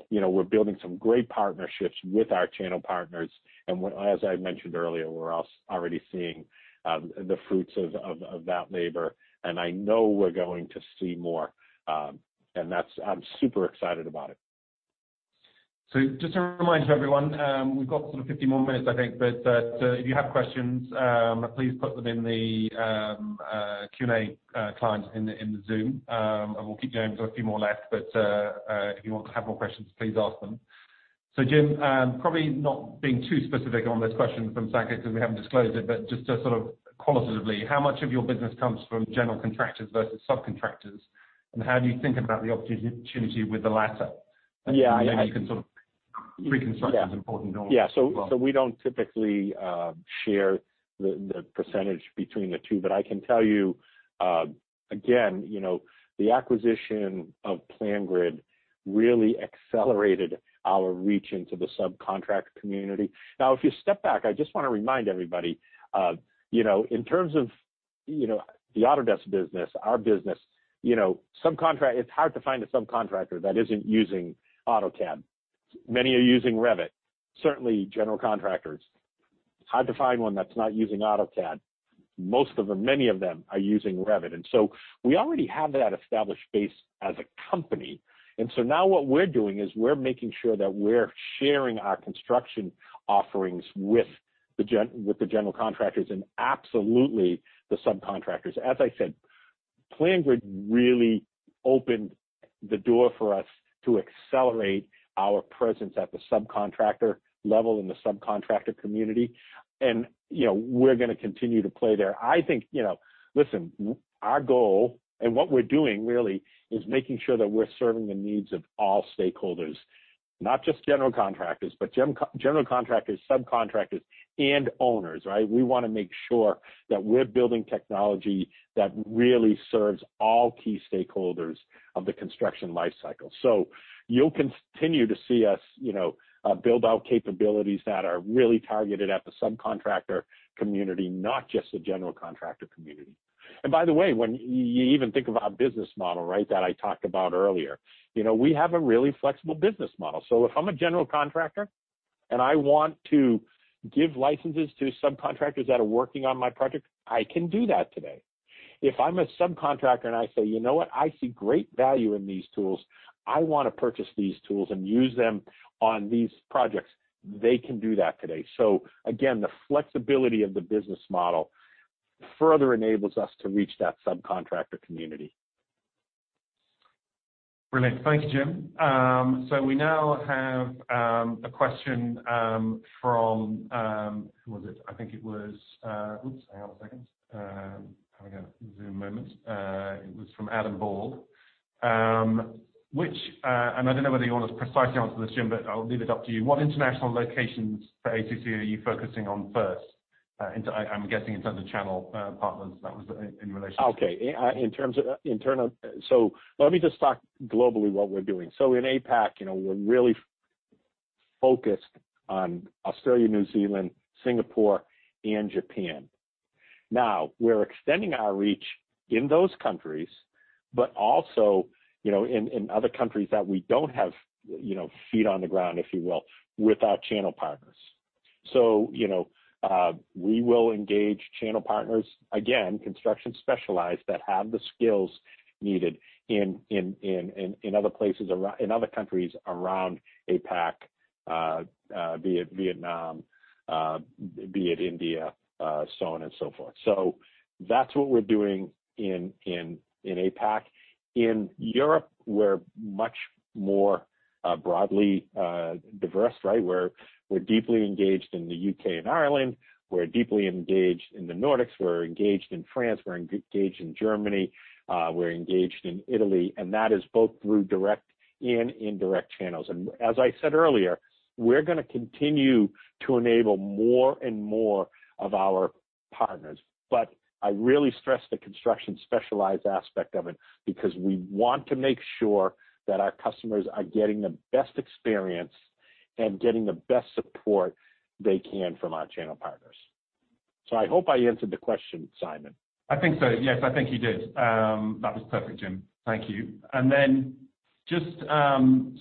you know, we're building some great partnerships with our channel partners. As I mentioned earlier, we're already seeing the fruits of that labor, and I know we're going to see more. I'm super excited about it. Just a reminder, everyone, we've got sort of 15 more minutes, I think. If you have questions, please put them in the Q&A client in the Zoom, and we'll keep going. A few more left, but if you want to have more questions, please ask them. Jim Lynch, probably not being too specific on this question from Saket Kalia because we haven't disclosed it, but just to sort of qualitatively, how much of your business comes from general contractors versus subcontractors, and how do you think about the opportunity with the latter? Yeah. You know you can sort of pre-construction is important. Yeah as well. We don't typically share the percentage between the two. I can tell you, again, you know, the acquisition of PlanGrid really accelerated our reach into the subcontract community. If you step back, I just want to remind everybody, you know, in terms of, you know, the Autodesk business, our business, you know, it's hard to find a subcontractor that isn't using AutoCAD. Many are using Revit. Certainly general contractors. It's hard to find one that's not using AutoCAD. Most of them, many of them are using Revit. We already have that established base as a company. Now what we're doing is we're making sure that we're sharing our construction offerings with the general contractors and absolutely the subcontractors. As I said, PlanGrid really opened the door for us to accelerate our presence at the subcontractor level in the subcontractor community. We're going to continue to play there. I think, listen, our goal, and what we're doing really, is making sure that we're serving the needs of all stakeholders. Not just general contractors, but general contractors, subcontractors, and owners, right? We want to make sure that we're building technology that really serves all key stakeholders of the construction life cycle. You'll continue to see us, you know, build out capabilities that are really targeted at the subcontractor community, not just the general contractor community. By the way, when you even think of our business model, right, that I talked about earlier, you know, we have a really flexible business model. If I'm a general contractor and I want to give licenses to subcontractors that are working on my project, I can do that today. If I'm a subcontractor and I say, "You know what? I see great value in these tools. I want to purchase these tools and use them on these projects," they can do that today. Again, the flexibility of the business model further enables us to reach that subcontractor community. Brilliant. Thank you, Jim. We now have a question. Who was it? I think it was. Hang on a second. Having a Zoom moment. It was from Adam Borg. I don't know whether you want to precisely answer this, Jim. I'll leave it up to you. What international locations for ACC are you focusing on first? I'm guessing in terms of channel partners, that was in relation. Okay. Let me just talk globally what we're doing. In APAC, we're really focused on Australia, New Zealand, Singapore, and Japan. Now, we're extending our reach in those countries, but also, in other countries that we don't have feet on the ground, if you will, with our channel partners. You know, we will engage channel partners, again, construction specialized that have the skills needed in other countries around APAC, be it Vietnam, be it India, so on and so forth. That's what we're doing in APAC. In Europe, we're much more broadly diverse, right? We're deeply engaged in the U.K. and Ireland. We're deeply engaged in the Nordics. We're engaged in France. We're engaged in Germany. We're engaged in Italy. That is both through direct and indirect channels. As I said earlier, we're going to continue to enable more and more of our partners. I really stress the construction specialized aspect of it because we want to make sure that our customers are getting the best experience and getting the best support they can from our channel partners. I hope I answered the question, Simon. I think so. Yes, I think you did. That was perfect, Jim. Thank you. Then just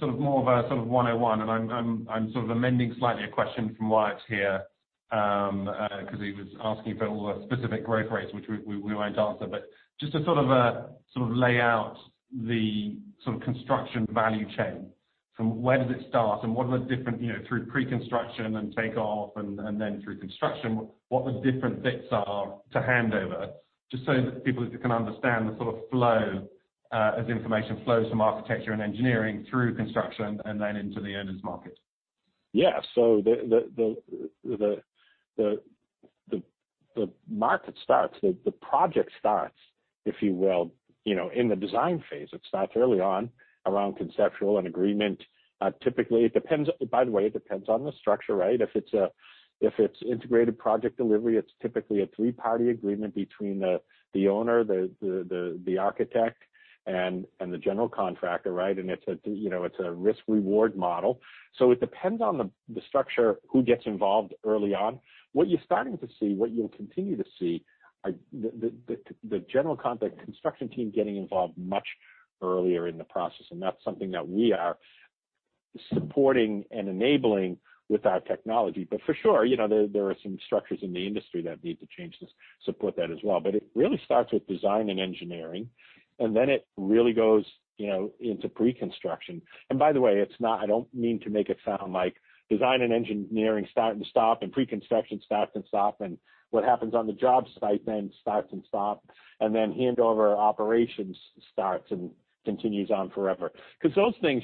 more of a sort of 101, I'm sort of amending slightly a question from Wyatt here, because he was asking for all the specific growth rates, which we won't answer. Just to sort of lay out the construction value chain from where does it start and what are the different, through pre-construction and takeoff and then through construction, what the different bits are to hand over, just so that people can understand the sort of flow as information flows from architecture and engineering through construction and then into the owner's market. The market starts, the project starts, if you will, you know, in the design phase. It starts early on around conceptual and agreement. It depends on the structure, right? If it's integrated project delivery, it's typically a three-party agreement between the owner, the architect, and the general contractor, right? It's a, you know, risk-reward model. It depends on the structure, who gets involved early on. What you're starting to see, what you'll continue to see, are the general contract construction team getting involved much earlier in the process, and that's something that we are supporting and enabling with our technology. For sure, there are some structures in the industry that need to change to support that as well. It really starts with design and engineering, and then it really goes into pre-construction. By the way, I don't mean to make it sound like design and engineering start and stop, and pre-construction starts and stops, and what happens on the job site then starts and stops, and then handover operations starts and continues on forever. Those things,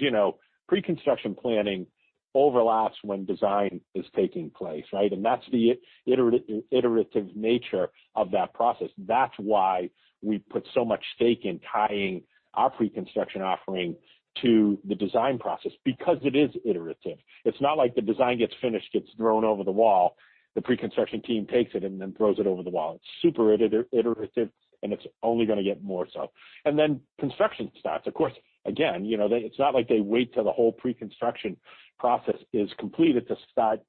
pre-construction planning overlaps when design is taking place. That's the iterative nature of that process. That's why we put so much stake in tying our pre-construction offering to the design process, because it is iterative. It's not like the design gets finished, gets thrown over the wall, the pre-construction team takes it, and then throws it over the wall. It's super iterative, and it's only going to get more so. And then, construction starts. Of course, again, you know, it's not like they wait till the whole pre-construction process is completed to start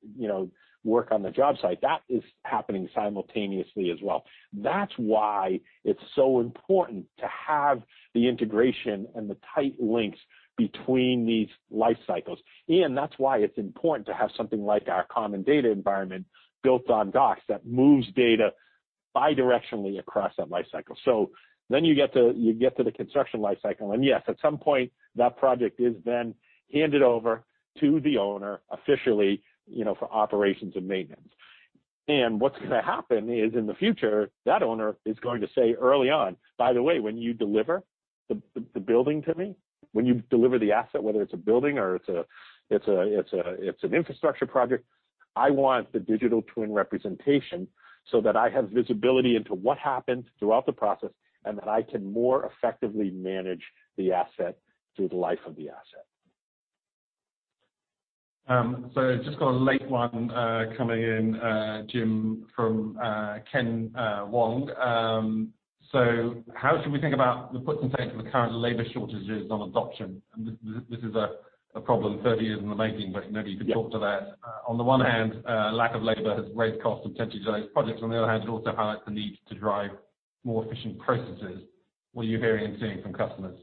work on the job site. That is happening simultaneously as well. That's why it's so important to have the integration and the tight links between these life cycles. That's why it's important to have something like our common data environment built on Docs that moves data bidirectionally across that life cycle. You get to the construction life cycle, and yes, at some point, that project is then handed over to the owner officially, for operations and maintenance. What's going to happen is, in the future, that owner is going to say early on, "By the way, when you deliver the building to me, when you deliver the asset, whether it's a building or it's an infrastructure project, I want the digital twin representation so that I have visibility into what happened throughout the process, and that I can more effectively manage the asset through the life of the asset. Just got a late one coming in, Jim, from Ken Wong. How should we think about the puts and takes of the current labor shortages on adoption? This is a problem 30 years in the making, but maybe you could talk to that. On the one hand, lack of labor has raised costs and potentially delayed projects. On the other hand, it also highlights the need to drive more efficient processes. What are you hearing and seeing from customers?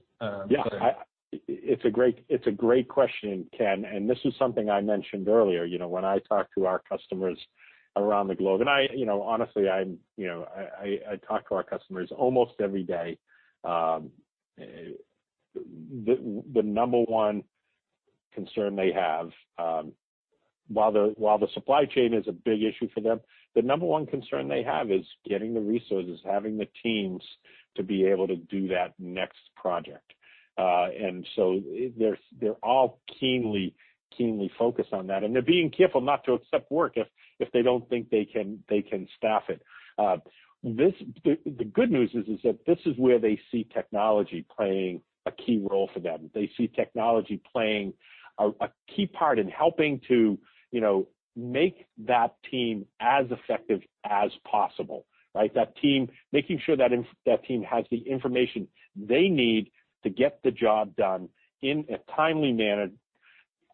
Yeah. It's a great question, Ken, and this is something I mentioned earlier, you know. When I talk to our customers around the globe, and honestly, I talk to our customers almost every day. The number one concern they have, while the supply chain is a big issue for them, the number one concern they have is getting the resources, having the teams to be able to do that next project. They're all keenly focused on that, and they're being careful not to accept work if they don't think they can staff it. The good news is that this is where they see technology playing a key role for them. They see technology playing a key part in helping to, you know, make that team as effective as possible, right? Making sure that team has the information they need to get the job done in a timely manner,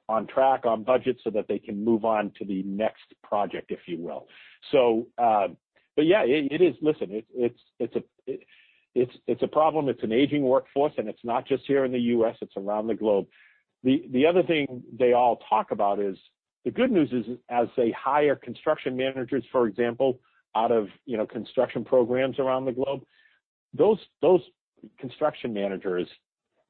on track, on budget, so that they can move on to the next project, if you will. But yeah. Listen, it's a problem. It's an aging workforce, and it's not just here in the U.S., it's around the globe. The other thing they all talk about is, the good news is as they hire construction managers, for example, out of construction programs around the globe, those construction managers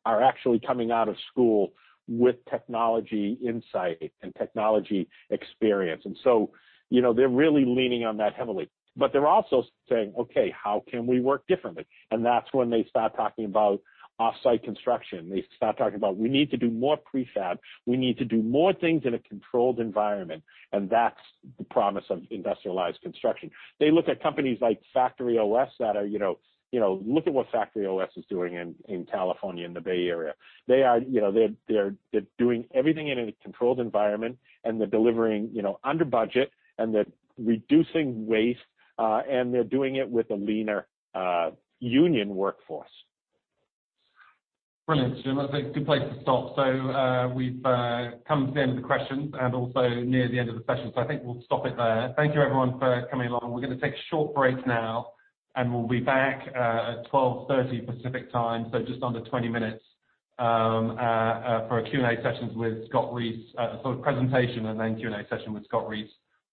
are actually coming out of school with technology insight and technology experience. You know, they're really leaning on that heavily. They're also saying, "Okay, how can we work differently?" That's when they start talking about off-site construction. They start talking about, "We need to do more prefab. We need to do more things in a controlled environment." That's the promise of industrialized construction. They look at companies like Factory OS. You know, look at what Factory OS is doing in California, in the Bay Area. They're doing everything in a controlled environment, and they're delivering under budget, and they're reducing waste, and they're doing it with a leaner union workforce. Brilliant, Jim. That's a good place to stop. We've come to the end of the questions and also near the end of the session, so I think we'll stop it there. Thank you everyone for coming along. We're going to take a short break now, and we'll be back at 12:30 Pacific Time, so just under 20 minutes, for a Q&A session with Scott Reese, a sort of presentation and then Q&A session with Scott Reese,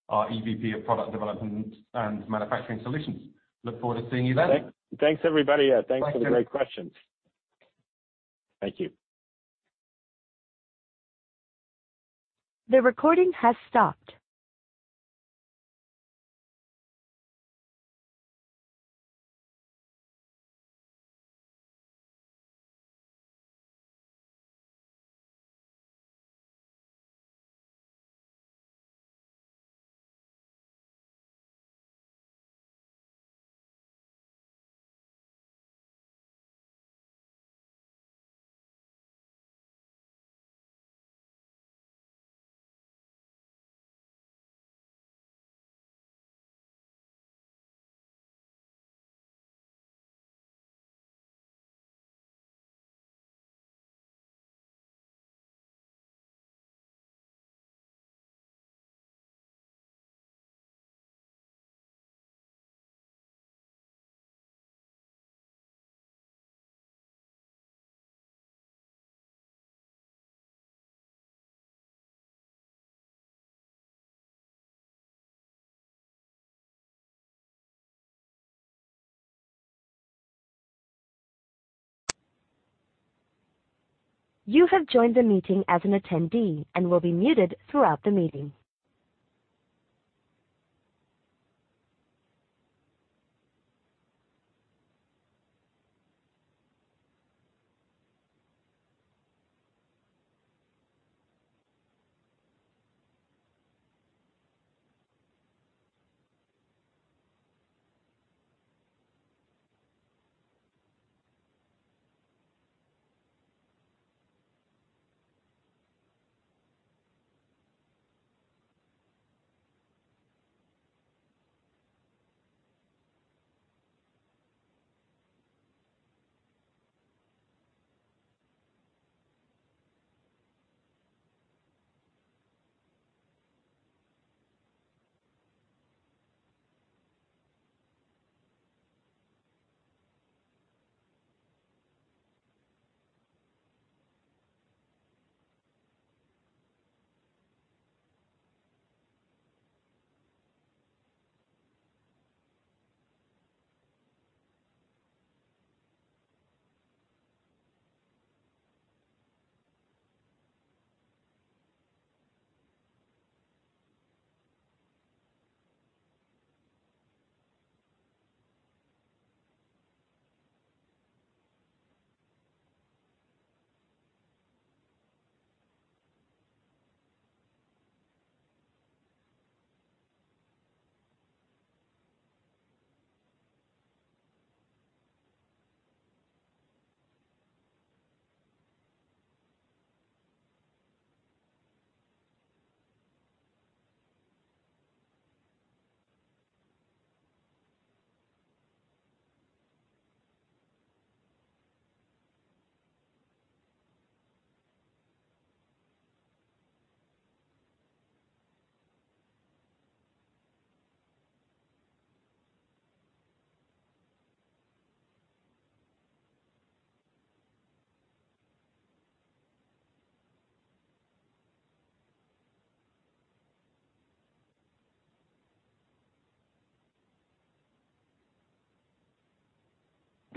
our EVP of Product Development and Manufacturing Solutions. Look forward to seeing you then. Thanks, everybody. Thanks, Jim. Thanks for the great questions. Thank you.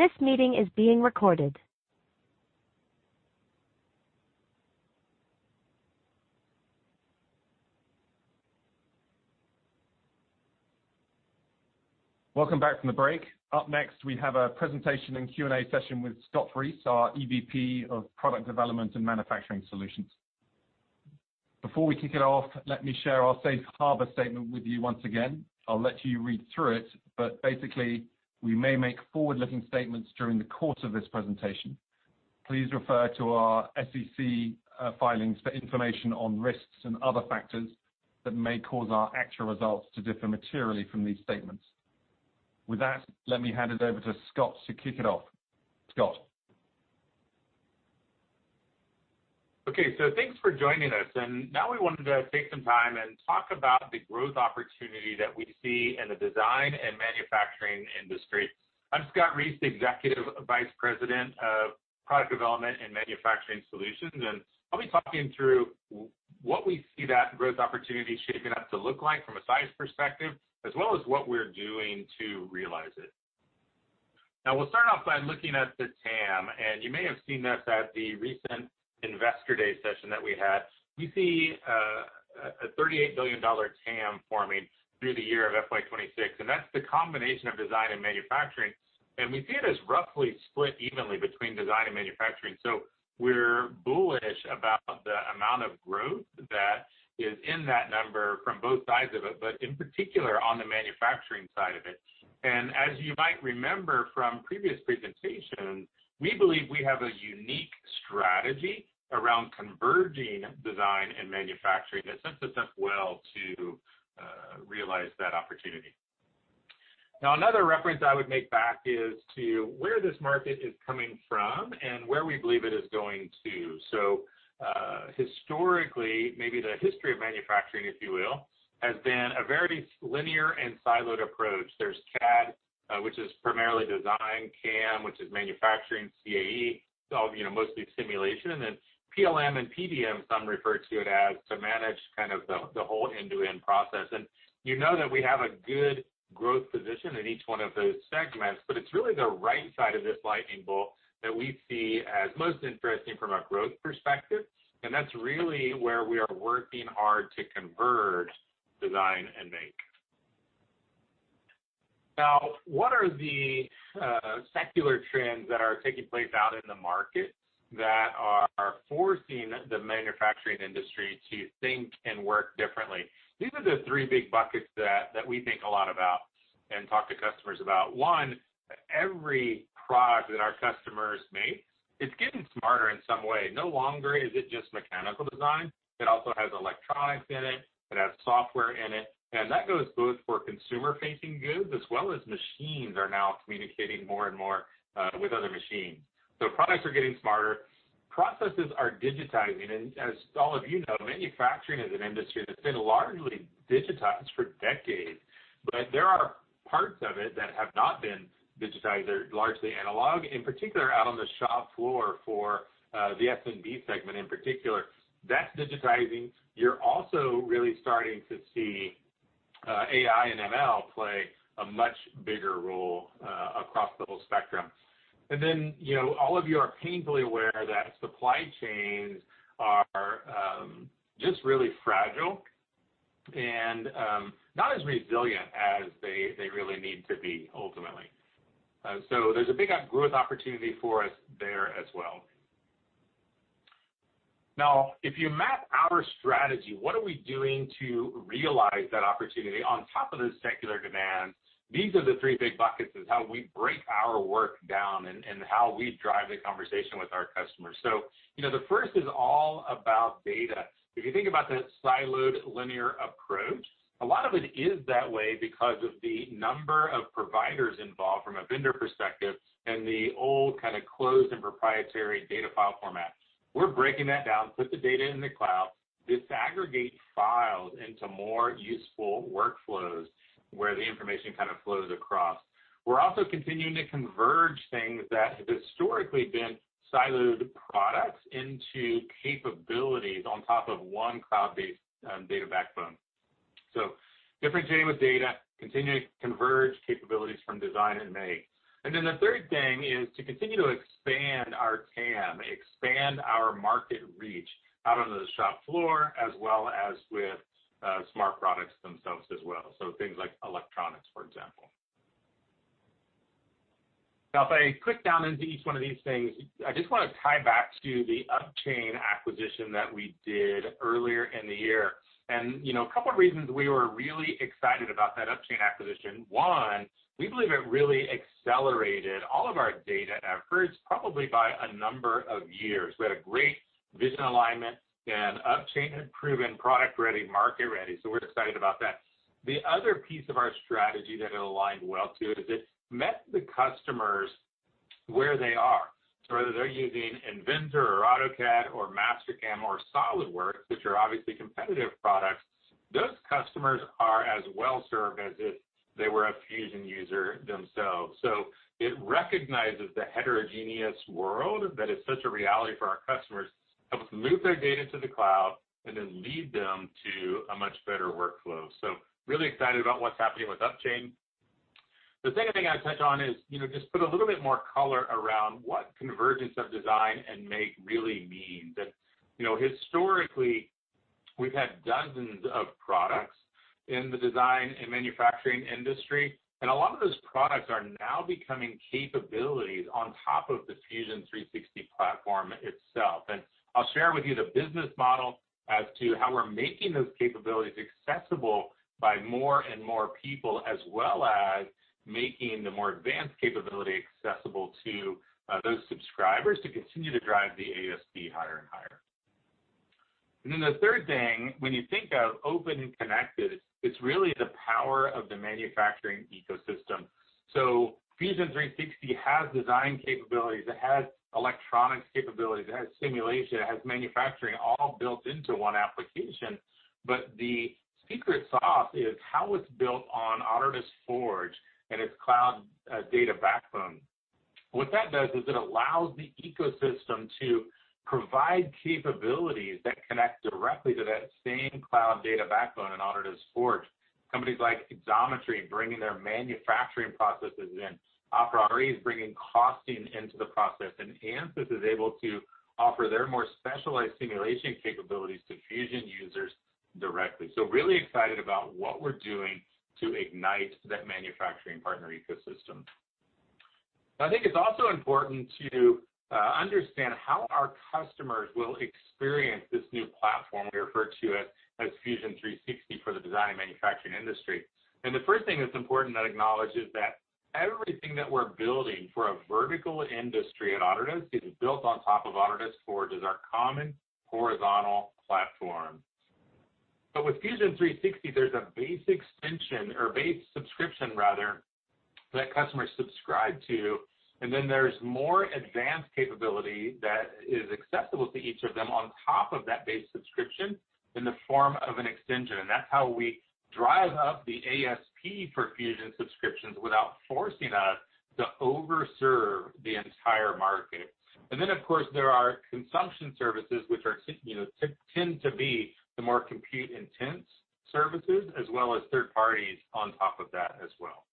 Welcome back from the break. Up next, we have a presentation and Q&A session with Scott Reese, our EVP of Product Development and Manufacturing Solutions. Before we kick it off, let me share our safe harbor statement with you once again. I'll let you read through it, but basically, we may make forward-looking statements during the course of this presentation. Please refer to our SEC filings for information on risks and other factors that may cause our actual results to differ materially from these statements. With that, let me hand it over to Scott to kick it off. Scott. Thanks for joining us. Now we wanted to take some time and talk about the growth opportunity that we see in the design and manufacturing industry. I'm Scott Reese, the Executive Vice President of Product Development and Manufacturing Solutions, and I'll be talking through what we see that growth opportunity shaping up to look like from a size perspective, as well as what we're doing to realize it. We'll start off by looking at the TAM, and you may have seen this at the recent Investor Day session that we had. We see a $38 billion TAM forming through the year of FY 2026. That's the combination of design and manufacturing. We see it as roughly split evenly between design and manufacturing. We're bullish about the amount of growth that is in that number from both sides of it, but in particular, on the manufacturing side of it. As you might remember from previous presentations, we believe we have a unique strategy around converging design and manufacturing that sets us up well to realize that opportunity. Another reference I would make back is to where this market is coming from and where we believe it is going to. Historically, maybe the history of manufacturing, if you will, has been a very linear and siloed approach. There's CAD, which is primarily design, CAM, which is manufacturing, CAE, mostly simulation, and then PLM and PDM, some refer to it as, to manage the whole end-to-end process. You know that we have a good growth position in each one of those segments, but it's really the right side of this lightning bolt that we see as most interesting from a growth perspective, and that's really where we are working hard to converge design and make. Now, what are the secular trends that are taking place out in the market that are forcing the manufacturing industry to think and work differently? These are the three big buckets that we think a lot about and talk to customers about. One, every product that our customers make is getting smarter in some way. No longer is it just mechanical design. It also has electronics in it. It has software in it. That goes both for consumer-facing goods as well as machines are now communicating more and more with other machines. Products are getting smarter. Processes are digitizing. As all of you know, manufacturing is an industry that's been largely digitized for decades, but there are parts of it that have not been digitized. They're largely analog, in particular, out on the shop floor for the SMB segment in particular. That's digitizing. You're also really starting to see AI and ML play a much bigger role across the whole spectrum. And then, you know, all of you are painfully aware that supply chains are just really fragile and not as resilient as they really need to be ultimately. There's a big growth opportunity for us there as well. Now, if you map our strategy, what are we doing to realize that opportunity on top of the secular demand? These are the three big buckets is how we break our work down and how we drive the conversation with our customers. The first is all about data. If you think about the siloed linear approach, a lot of it is that way because of the number of providers involved from a vendor perspective and the old closed and proprietary data file formats. We're breaking that down, put the data in the cloud, disaggregate files into more useful workflows where the information flows across. We're also continuing to converge things that have historically been siloed products into capabilities on top of one cloud-based data backbone. Differentiating with data, continuing to converge capabilities from design and make. The third thing is to continue to expand our TAM, expand our market reach out on the shop floor, as well as with smart products themselves as well. Things like electronics, for example. If I click down into each one of these things, I just want to tie back to the Upchain acquisition that we did earlier in the year. You know. a couple of reasons we were really excited about that Upchain acquisition. One, we believe it really accelerated all of our data efforts probably by a number of years. We had a great vision alignment and Upchain had proven product-ready, market-ready. We're excited about that. The other piece of our strategy that it aligned well to is it met the customers where they are. Whether they're using Inventor or AutoCAD or Mastercam or SOLIDWORKS, which are obviously competitive products, those customers are as well-served as if they were a Fusion user themselves. It recognizes the heterogeneous world that is such a reality for our customers, helps move their data to the cloud, and then lead them to a much better workflow. Really excited about what's happening with Upchain. The second thing I'd touch on is just put a little bit more color around what convergence of design and make really means. You know, historically, we've had dozens of products in the design and manufacturing industry, and a lot of those products are now becoming capabilities on top of the Fusion 360 platform itself. I'll share with you the business model as to how we're making those capabilities accessible by more and more people, as well as making the more advanced capability accessible to those subscribers to continue to drive the ASP higher and higher. The third thing, when you think of open and connected, it's really the power of the manufacturing ecosystem. Fusion 360 has design capabilities, it has electronics capabilities, it has simulation, it has manufacturing all built into one application. The secret sauce is how it's built on Autodesk Forge and its cloud data backbone. What that does is it allows the ecosystem to provide capabilities that connect directly to that same cloud data backbone in Autodesk Forge. Companies like Xometry bringing their manufacturing processes in. aPriori is bringing costing into the process, and Ansys is able to offer their more specialized simulation capabilities to Fusion users directly. Really excited about what we're doing to ignite that manufacturing partner ecosystem. I think it's also important to understand how our customers will experience this new platform. We refer to it as Fusion 360 for the design and manufacturing industry. The first thing that's important to acknowledge is that everything that we're building for a vertical industry at Autodesk is built on top of Autodesk Forge as our common horizontal platform. With Fusion 360, there's a base extension, or a base subscription rather, that customers subscribe to. There's more advanced capability that is accessible to each of them on top of that base subscription in the form of an extension. That's how we drive up the ASP for Fusion subscriptions without forcing us to over-serve the entire market. Of course, there are consumption services, which tend to be the more compute-intense services, as well as third parties on top of that as well.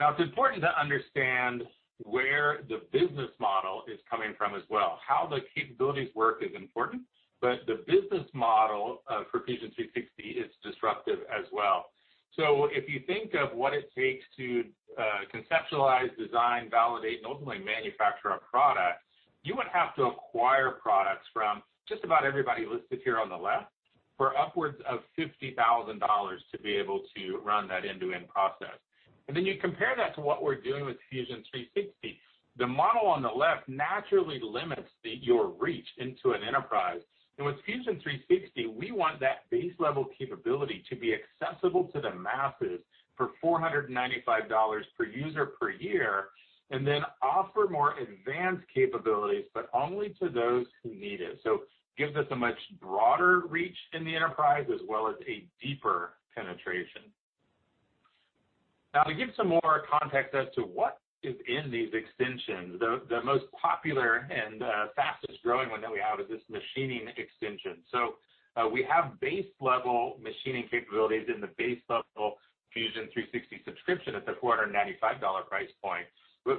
Now, It's important to understand where the business model is coming from as well. How the capabilities work is important, but the business model for Fusion 360 is disruptive as well. If you think of what it takes to conceptualize, design, validate, and ultimately manufacture a product, you would have to acquire products from just about everybody listed here on the left for upwards of $50,000 to be able to run that end-to-end process. Then you compare that to what we're doing with Fusion 360. The model on the left naturally limits your reach into an enterprise. With Fusion 360, we want that base-level capability to be accessible to the masses for $495 per user per year, and then offer more advanced capabilities, but only to those who need it. It gives us a much broader reach in the enterprise, as well as a deeper penetration. To give some more context as to what is in these extensions, the most popular and fastest-growing one that we have is this machining extension. We have base-level machining capabilities in the base-level Fusion 360 subscription at the $495 price point.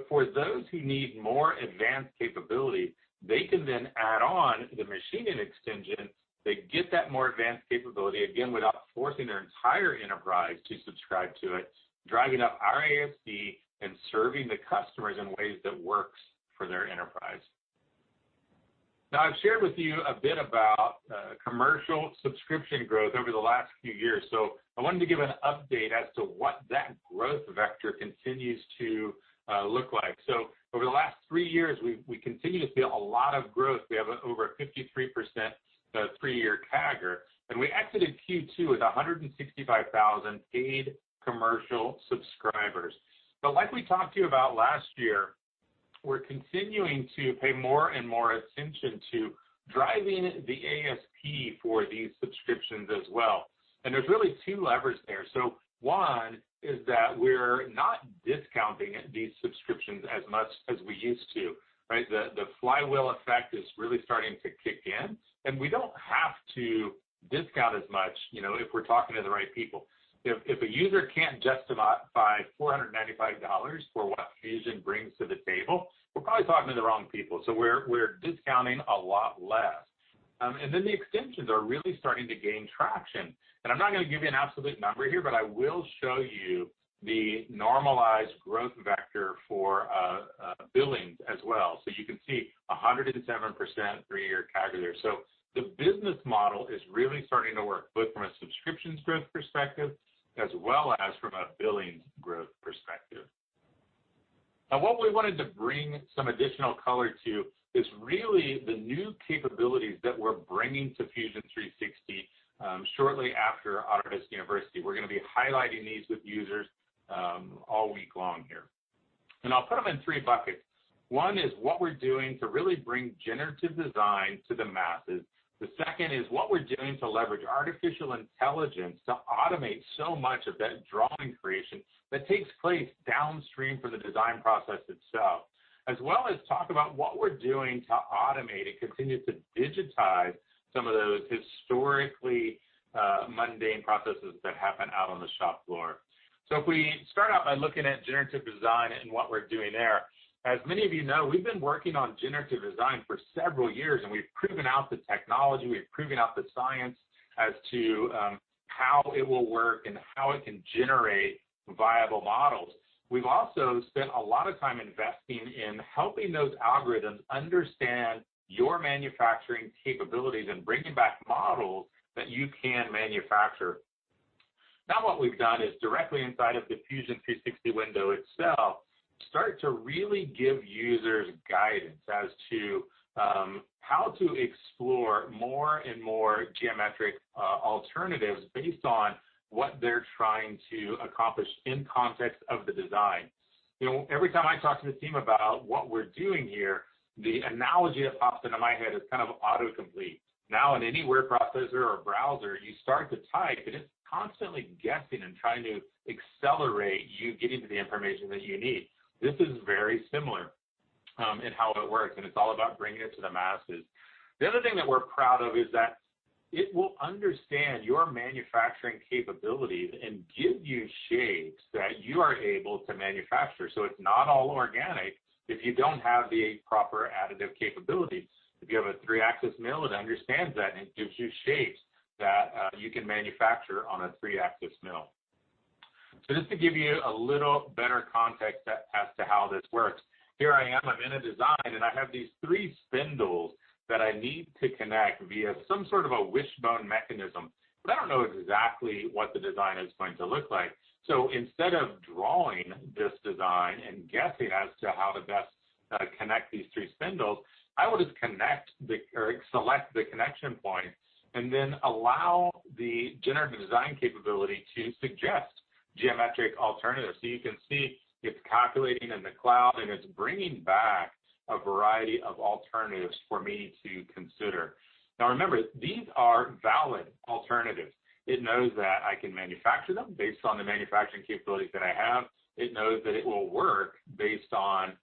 For those who need more advanced capability, they can add on the machining extension. They get that more advanced capability, again, without forcing their entire enterprise to subscribe to it, driving up our ASP and serving the customers in ways that works for their enterprise. I've shared with you a bit about commercial subscription growth over the last few years, I wanted to give an update as to what that growth vector continues to look like. Over the last 3 years, we continue to see a lot of growth. We have over 53% three-year CAGR, and we exited Q2 with 165,000 paid commercial subscribers. Like we talked to you about last year, we're continuing to pay more and more attention to driving the ASP for these subscriptions as well. There's really two levers there. One is that we're not discounting these subscriptions as much as we used to, right? The flywheel effect is really starting to kick in, and we don't have to discount as much if we're talking to the right people. If a user can't justify $495 for what Fusion brings to the table, we're probably talking to the wrong people. We're discounting a lot less. The extensions are really starting to gain traction. I'm not going to give you an absolute number here, but I will show you the normalized growth vector for billings as well. You can see 107% three-year CAGR there. The business model is really starting to work both from a subscriptions growth perspective as well as from a billings growth perspective. What we wanted to bring some additional color to is really the new capabilities that we're bringing to Fusion 360 shortly after Autodesk University. We're going to be highlighting these with users all week long here. I'll put them in three buckets. One is what we're doing to really bring generative design to the masses. The second is what we're doing to leverage artificial intelligence to automate so much of that drawing creation that takes place downstream for the design process itself. As well as talk about what we're doing to automate and continue to digitize some of those historically mundane processes that happen out on the shop floor. If we start out by looking at generative design and what we're doing there. As many of you know, we've been working on generative design for several years, and we've proven out the technology, we've proven out the science as to how it will work and how it can generate viable models. We've also spent a lot of time investing in helping those algorithms understand your manufacturing capabilities and bringing back models that you can manufacture. Now what we've done is directly inside of the Fusion 360 window itself, start to really give users guidance as to how to explore more and more geometric alternatives based on what they're trying to accomplish in context of the design. You know, every time I talk to the team about what we're doing here, the analogy that pops into my head is kind of auto-complete. Now, in any word processor or browser, you start to type, and it's constantly guessing and trying to accelerate you getting to the information that you need. This is very similar in how it works, and it's all about bringing it to the masses. The other thing that we're proud of is that it will understand your manufacturing capabilities and give you shapes that you are able to manufacture. It's not all organic if you don't have the proper additive capabilities. If you have a 3-axis mill, it understands that, and it gives you shapes that you can manufacture on a three-axis mill. Just to give you a little better context as to how this works. Here I am, I'm in a design, and I have these three spindles that I need to connect via some sort of a wishbone mechanism, but I don't know exactly what the design is going to look like. Instead of drawing this design and guessing as to how to best connect these three spindles, I would just select the connection points and then allow the generative design capability to suggest geometric alternatives. You can see it's calculating in the cloud, and it's bringing back a variety of alternatives for me to consider. Now remember, these are valid alternatives. It knows that I can manufacture them based on the manufacturing capabilities that I have. It knows that it will work based on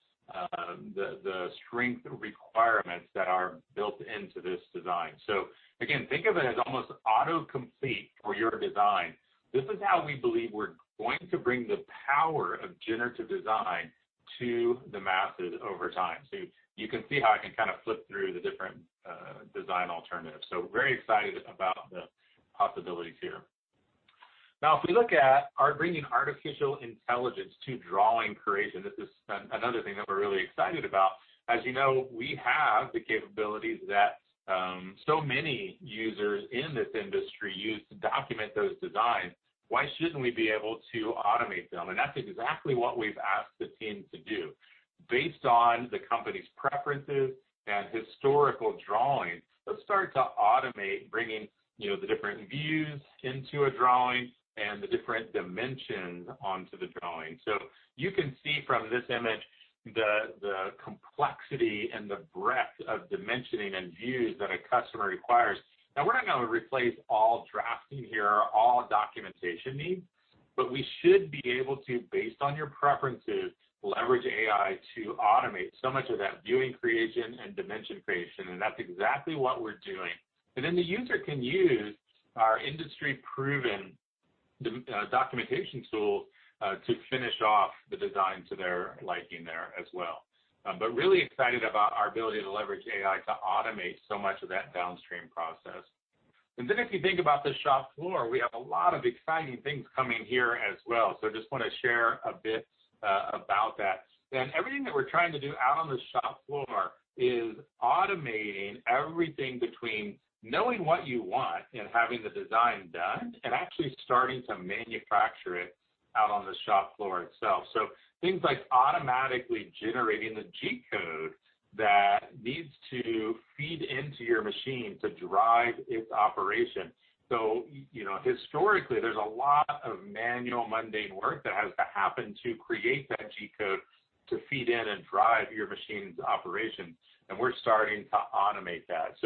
the strength requirements that are built into this design. Again, think of it as almost auto-complete for your design. This is how we believe we're going to bring the power of generative design to the masses over time. You can see how I can kind of flip through the different design alternatives. Very excited about the possibilities here. If we look at our bringing artificial intelligence to drawing creation, this is another thing that we're really excited about. As you know, we have the capabilities that so many users in this industry use to document those designs. Why shouldn't we be able to automate them? That's exactly what we've asked the team to do. Based on the company's preferences and historical drawings, let's start to automate bringing the different views into a drawing and the different dimensions onto the drawing. You can see from this image the complexity and the breadth of dimensioning and views that a customer requires. We're not going to replace all drafting here or all documentation needs, but we should be able to, based on your preferences, leverage AI to automate so much of that viewing creation and dimension creation. That's exactly what we're doing. The user can use our industry-proven documentation tool to finish off the design to their liking there as well. Really excited about our ability to leverage AI to automate so much of that downstream process. If you think about the shop floor, we have a lot of exciting things coming here as well. Just want to share a bit about that. Everything that we're trying to do out on the shop floor is automating everything between knowing what you want and having the design done and actually starting to manufacture it out on the shop floor itself. Things like automatically generating the G-code that needs to feed into your machine to drive its operation. Historically, there's a lot of manual, mundane work that has to happen to create that G-code to feed in and drive your machine's operation, and we're starting to automate that.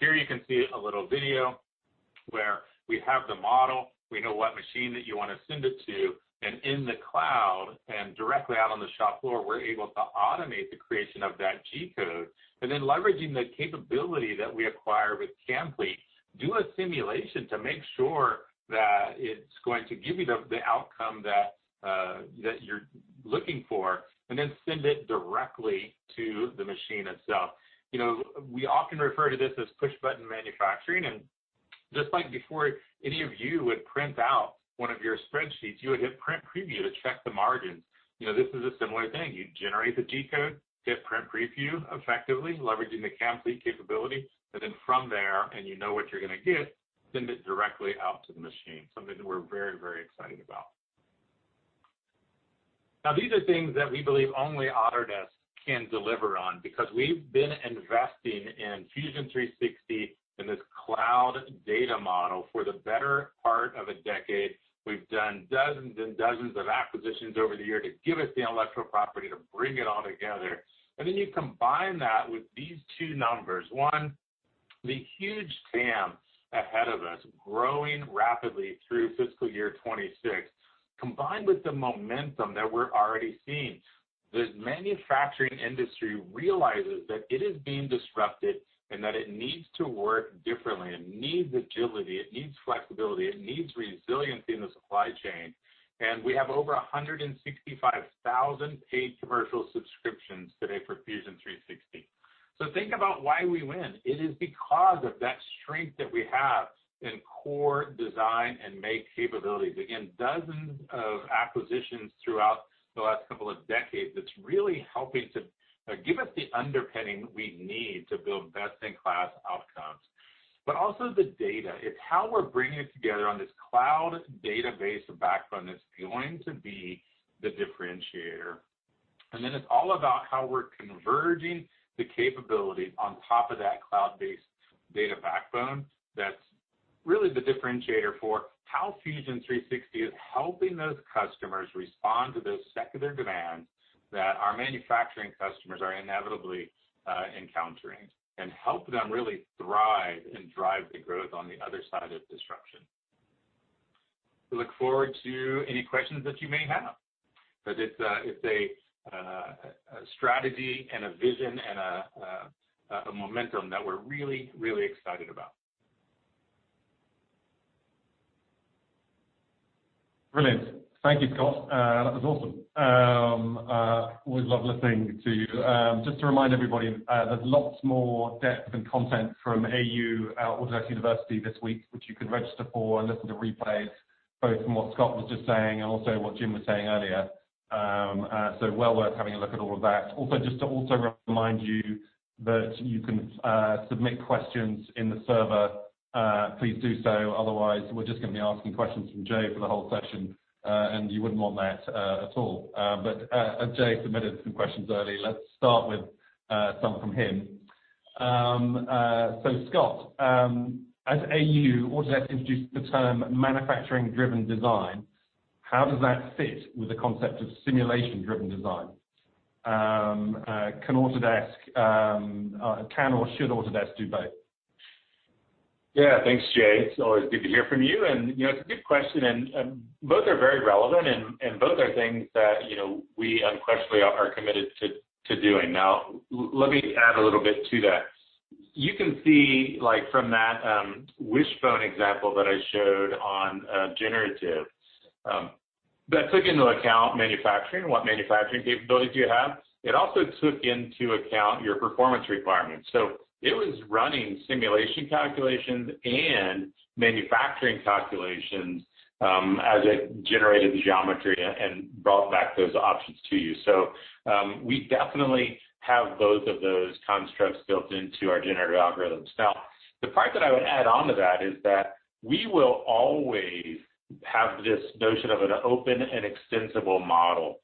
Here you can see a little video where we have the model. We know what machine that you want to send it to. In the cloud and directly out on the shop floor, we're able to automate the creation of that G-code. Then leveraging the capability that we acquire with CAMplete, do a simulation to make sure that it's going to give you the outcome that you're looking for, and then send it directly to the machine itself. We often refer to this as push-button manufacturing. Just like before any of you would print out 1 of your spreadsheets, you would hit Print Preview to check the margins. This is a similar thing. You generate the G-code, hit Print Preview, effectively leveraging the CAMplete capability. Then from there, and you know what you're going to get, send it directly out to the machine. Something that we're very excited about. These are things that we believe only Autodesk can deliver on because we've been investing in Fusion 360 and this cloud data model for the better part of a decade. We've done dozens and dozens of acquisitions over the year to give us the intellectual property to bring it all together. Then you combine that with these two numbers. One, the huge tech-Growing rapidly through fiscal year 2026, combined with the momentum that we're already seeing. The manufacturing industry realizes that it is being disrupted and that it needs to work differently. It needs agility, it needs flexibility, it needs resiliency in the supply chain. We have over 165,000 paid commercial subscriptions today for Fusion 360. Think about why we win. It is because of that strength that we have in core design and make capabilities. Again, dozens of acquisitions throughout the last couple of decades that's really helping to give us the underpinning we need to build best-in-class outcomes. Also the data. It's how we're bringing it together on this cloud database backbone that's going to be the differentiator. Then it's all about how we're converging the capabilities on top of that cloud-based data backbone that's really the differentiator for how Fusion 360 is helping those customers respond to those secular demands that our manufacturing customers are inevitably encountering. Help them really thrive and drive the growth on the other side of disruption. We look forward to any questions that you may have, but it's a strategy and a vision and a momentum that we're really, really excited about. Brilliant. Thank you, Scott. That was awesome. Always love listening to you. Just to remind everybody, there's lots more depth and content from AU, Autodesk University, this week, which you can register for and listen to replays, both from what Scott was just saying and also what Jim was saying earlier. Well worth having a look at all of that. Just to also remind you that you can submit questions in the server. Please do so. Otherwise, we're just going to be asking questions from Jay for the whole session, and you wouldn't want that at all. Jay submitted some questions early. Let's start with some from him. Scott, as AU, Autodesk introduced the term manufacturing-driven design. How does that fit with the concept of simulation-driven design? Can or should Autodesk do both? Yeah. Thanks, Jay. It's always good to hear from you. It's a good question, and both are very relevant, and both are things that, you know, we unquestionably are committed to doing. Now, let me add a little bit to that. You can see from that wishbone example that I showed on generative. That took into account manufacturing, what manufacturing capabilities you have. It also took into account your performance requirements. It was running simulation calculations and manufacturing calculations as it generated the geometry and brought back those options to you. We definitely have both of those constructs built into our generative algorithms. The part that I would add on to that is that we will always have this notion of an open and extensible model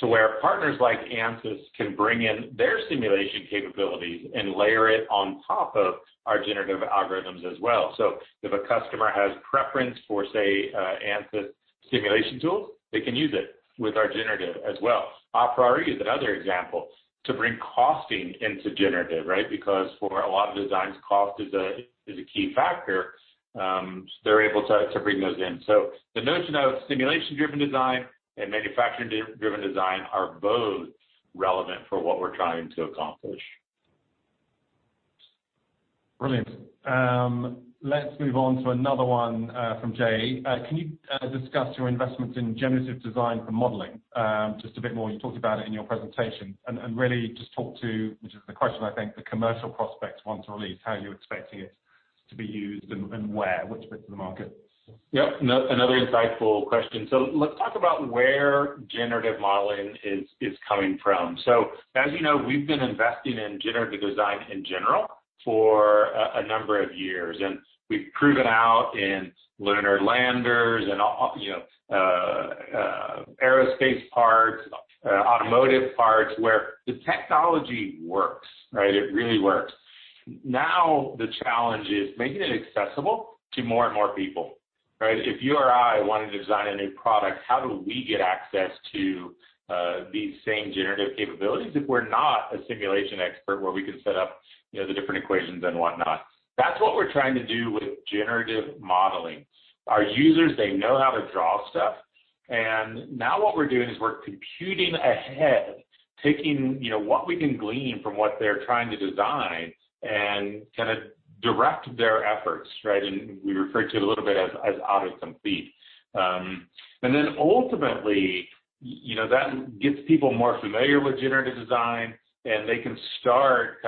to where partners like Ansys can bring in their simulation capabilities and layer it on top of our generative algorithms as well. If a customer has preference for, say, Ansys simulation tools, they can use it with our generative as well. aPriori is another example to bring costing into generative, right? Because for a lot of designs, cost is a key factor. They're able to bring those in. The notion of simulation-driven design and manufacturing-driven design are both relevant for what we're trying to accomplish. Brilliant. Let's move on to another one from Jay. Can you discuss your investments in generative design for modeling just a bit more? You talked about it in your presentation and really just talk to, which is the question I think the commercial prospects want to release, how you're expecting it to be used and where, which bits of the market. Yep. Another insightful question. Let's talk about where generative modeling is coming from. As you know, we've been investing in generative design in general for a number of years now. We've proven out in lunar landers and aerospace parts, automotive parts, where the technology works, right? It really works. Now the challenge is making it accessible to more and more people, right? If you or I wanted to design a new product, how do we get access to these same generative capabilities if we're not a simulation expert where we can set up the different equations and whatnot? That's what we're trying to do with generative modeling. Our users, they know how to draw stuff, and now what we're doing is we're computing ahead, taking what we can glean from what they're trying to design and kind of direct their efforts. We refer to it a little bit as auto-complete. Ultimately, that gets people more familiar with generative design, and they can start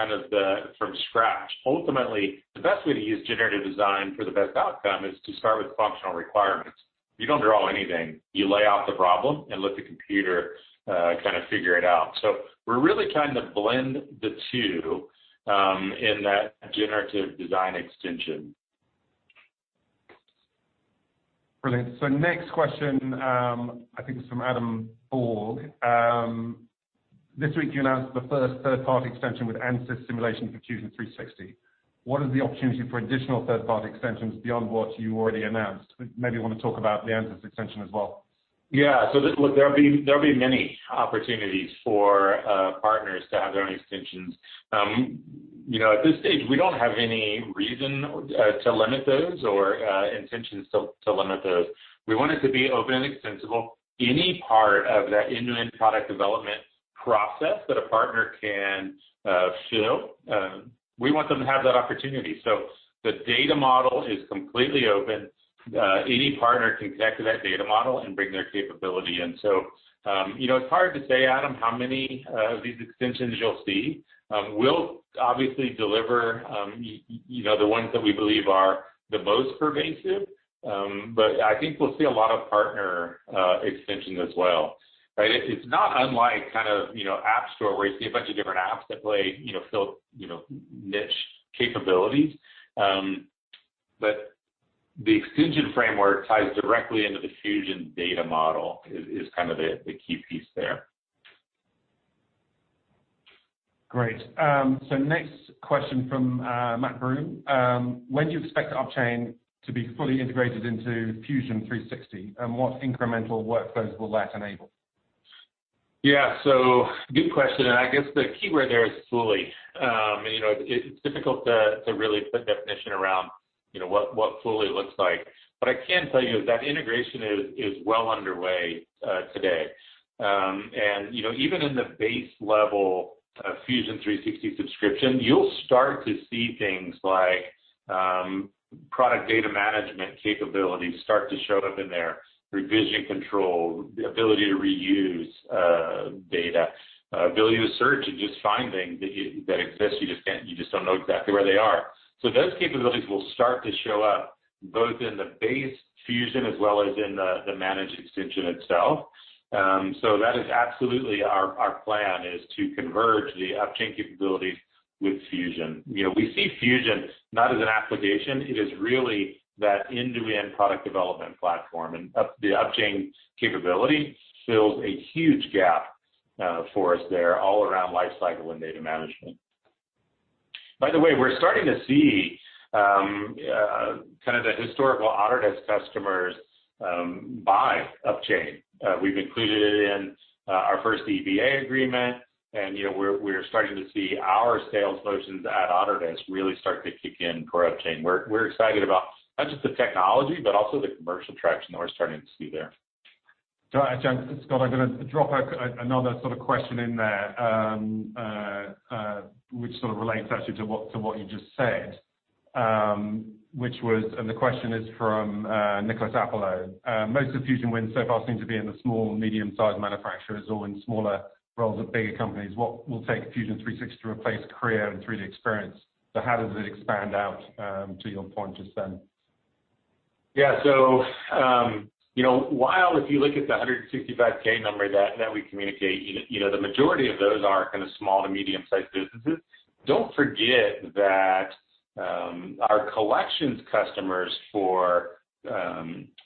from scratch. Ultimately, the best way to use generative design for the best outcome is to start with functional requirements. You don't draw anything. You lay out the problem and let the computer figure it out. We're really trying to blend the two in that generative design extension. Brilliant. Next question, I think is from Adam Borg. This week you announced the first third-party extension with Ansys simulation for Fusion 360. What is the opportunity for additional third-party extensions beyond what you already announced? Maybe you want to talk about the Ansys extension as well. Yeah. There'll be many opportunities for partners to have their own extensions. You know, at this stage, we don't have any reason to limit those or intentions to limit those. We want it to be open and extensible. Any part of that end-to-end product development process that a partner can fill, we want them to have that opportunity. The data model is completely open. Any partner can connect to that data model and bring their capability in. It's hard to say, Adam, how many of these extensions you'll see. We'll obviously deliver the ones that we believe are the most pervasive. I think we'll see a lot of partner extensions as well, right? It's not unlike App Store, where you see a bunch of different apps that fill niche capabilities. The extension framework ties directly into the Fusion data model is kind of the key piece there. Great. Next question from Matt Broome. When do you expect Upchain to be fully integrated into Fusion 360, and what incremental workflows will that enable? Yeah. Good question, and I guess the keyword there is fully. I can tell you is that integration is well underway today. Even in the base level Fusion 360 subscription, you'll start to see things like product data management capabilities start to show up in there. Revision control, the ability to reuse data, ability to search and just find things that exist, you just don't know exactly where they are. Those capabilities will start to show up both in the base Fusion as well as in the managed extension itself. That is absolutely our plan is to converge the Upchain capabilities with Fusion. We see Fusion not as an application. It is really that end-to-end product development platform. The Upchain capability fills a huge gap for us there all around lifecycle and data management. By the way, we're starting to see the historical Autodesk customers buy Upchain. We've included it in our first EBA agreement, we're starting to see our sales motions at Autodesk really start to kick in for Upchain. We're excited about not just the technology, but also the commercial traction that we're starting to see there. Got it. Scott Reese, I'm going to drop another sort of question in there, which sort of relates actually to what you just said. The question is from Nicholas Apollo. Most of Fusion wins so far seem to be in the small and medium-sized manufacturers or in smaller roles at bigger companies. What will it take Fusion 360 to replace Creo and 3DEXPERIENCE? How does it expand out to your point just then? Yeah. You know, while if you look at the 165K number that we communicate, the majority of those are small to medium-sized businesses. Don't forget that our collections customers for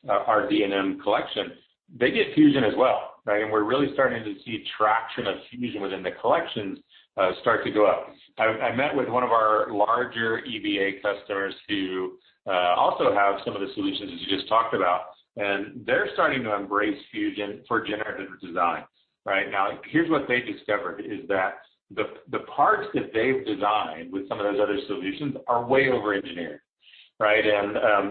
our D&M Collection, they get Fusion as well, right? We're really starting to see traction of Fusion within the collections start to go up. I met with one of our larger EBA customers who also have some of the solutions that you just talked about. They're starting to embrace Fusion for generative design. Right now, here's what they discovered is that the parts that they've designed with some of those other solutions are way overengineered, right?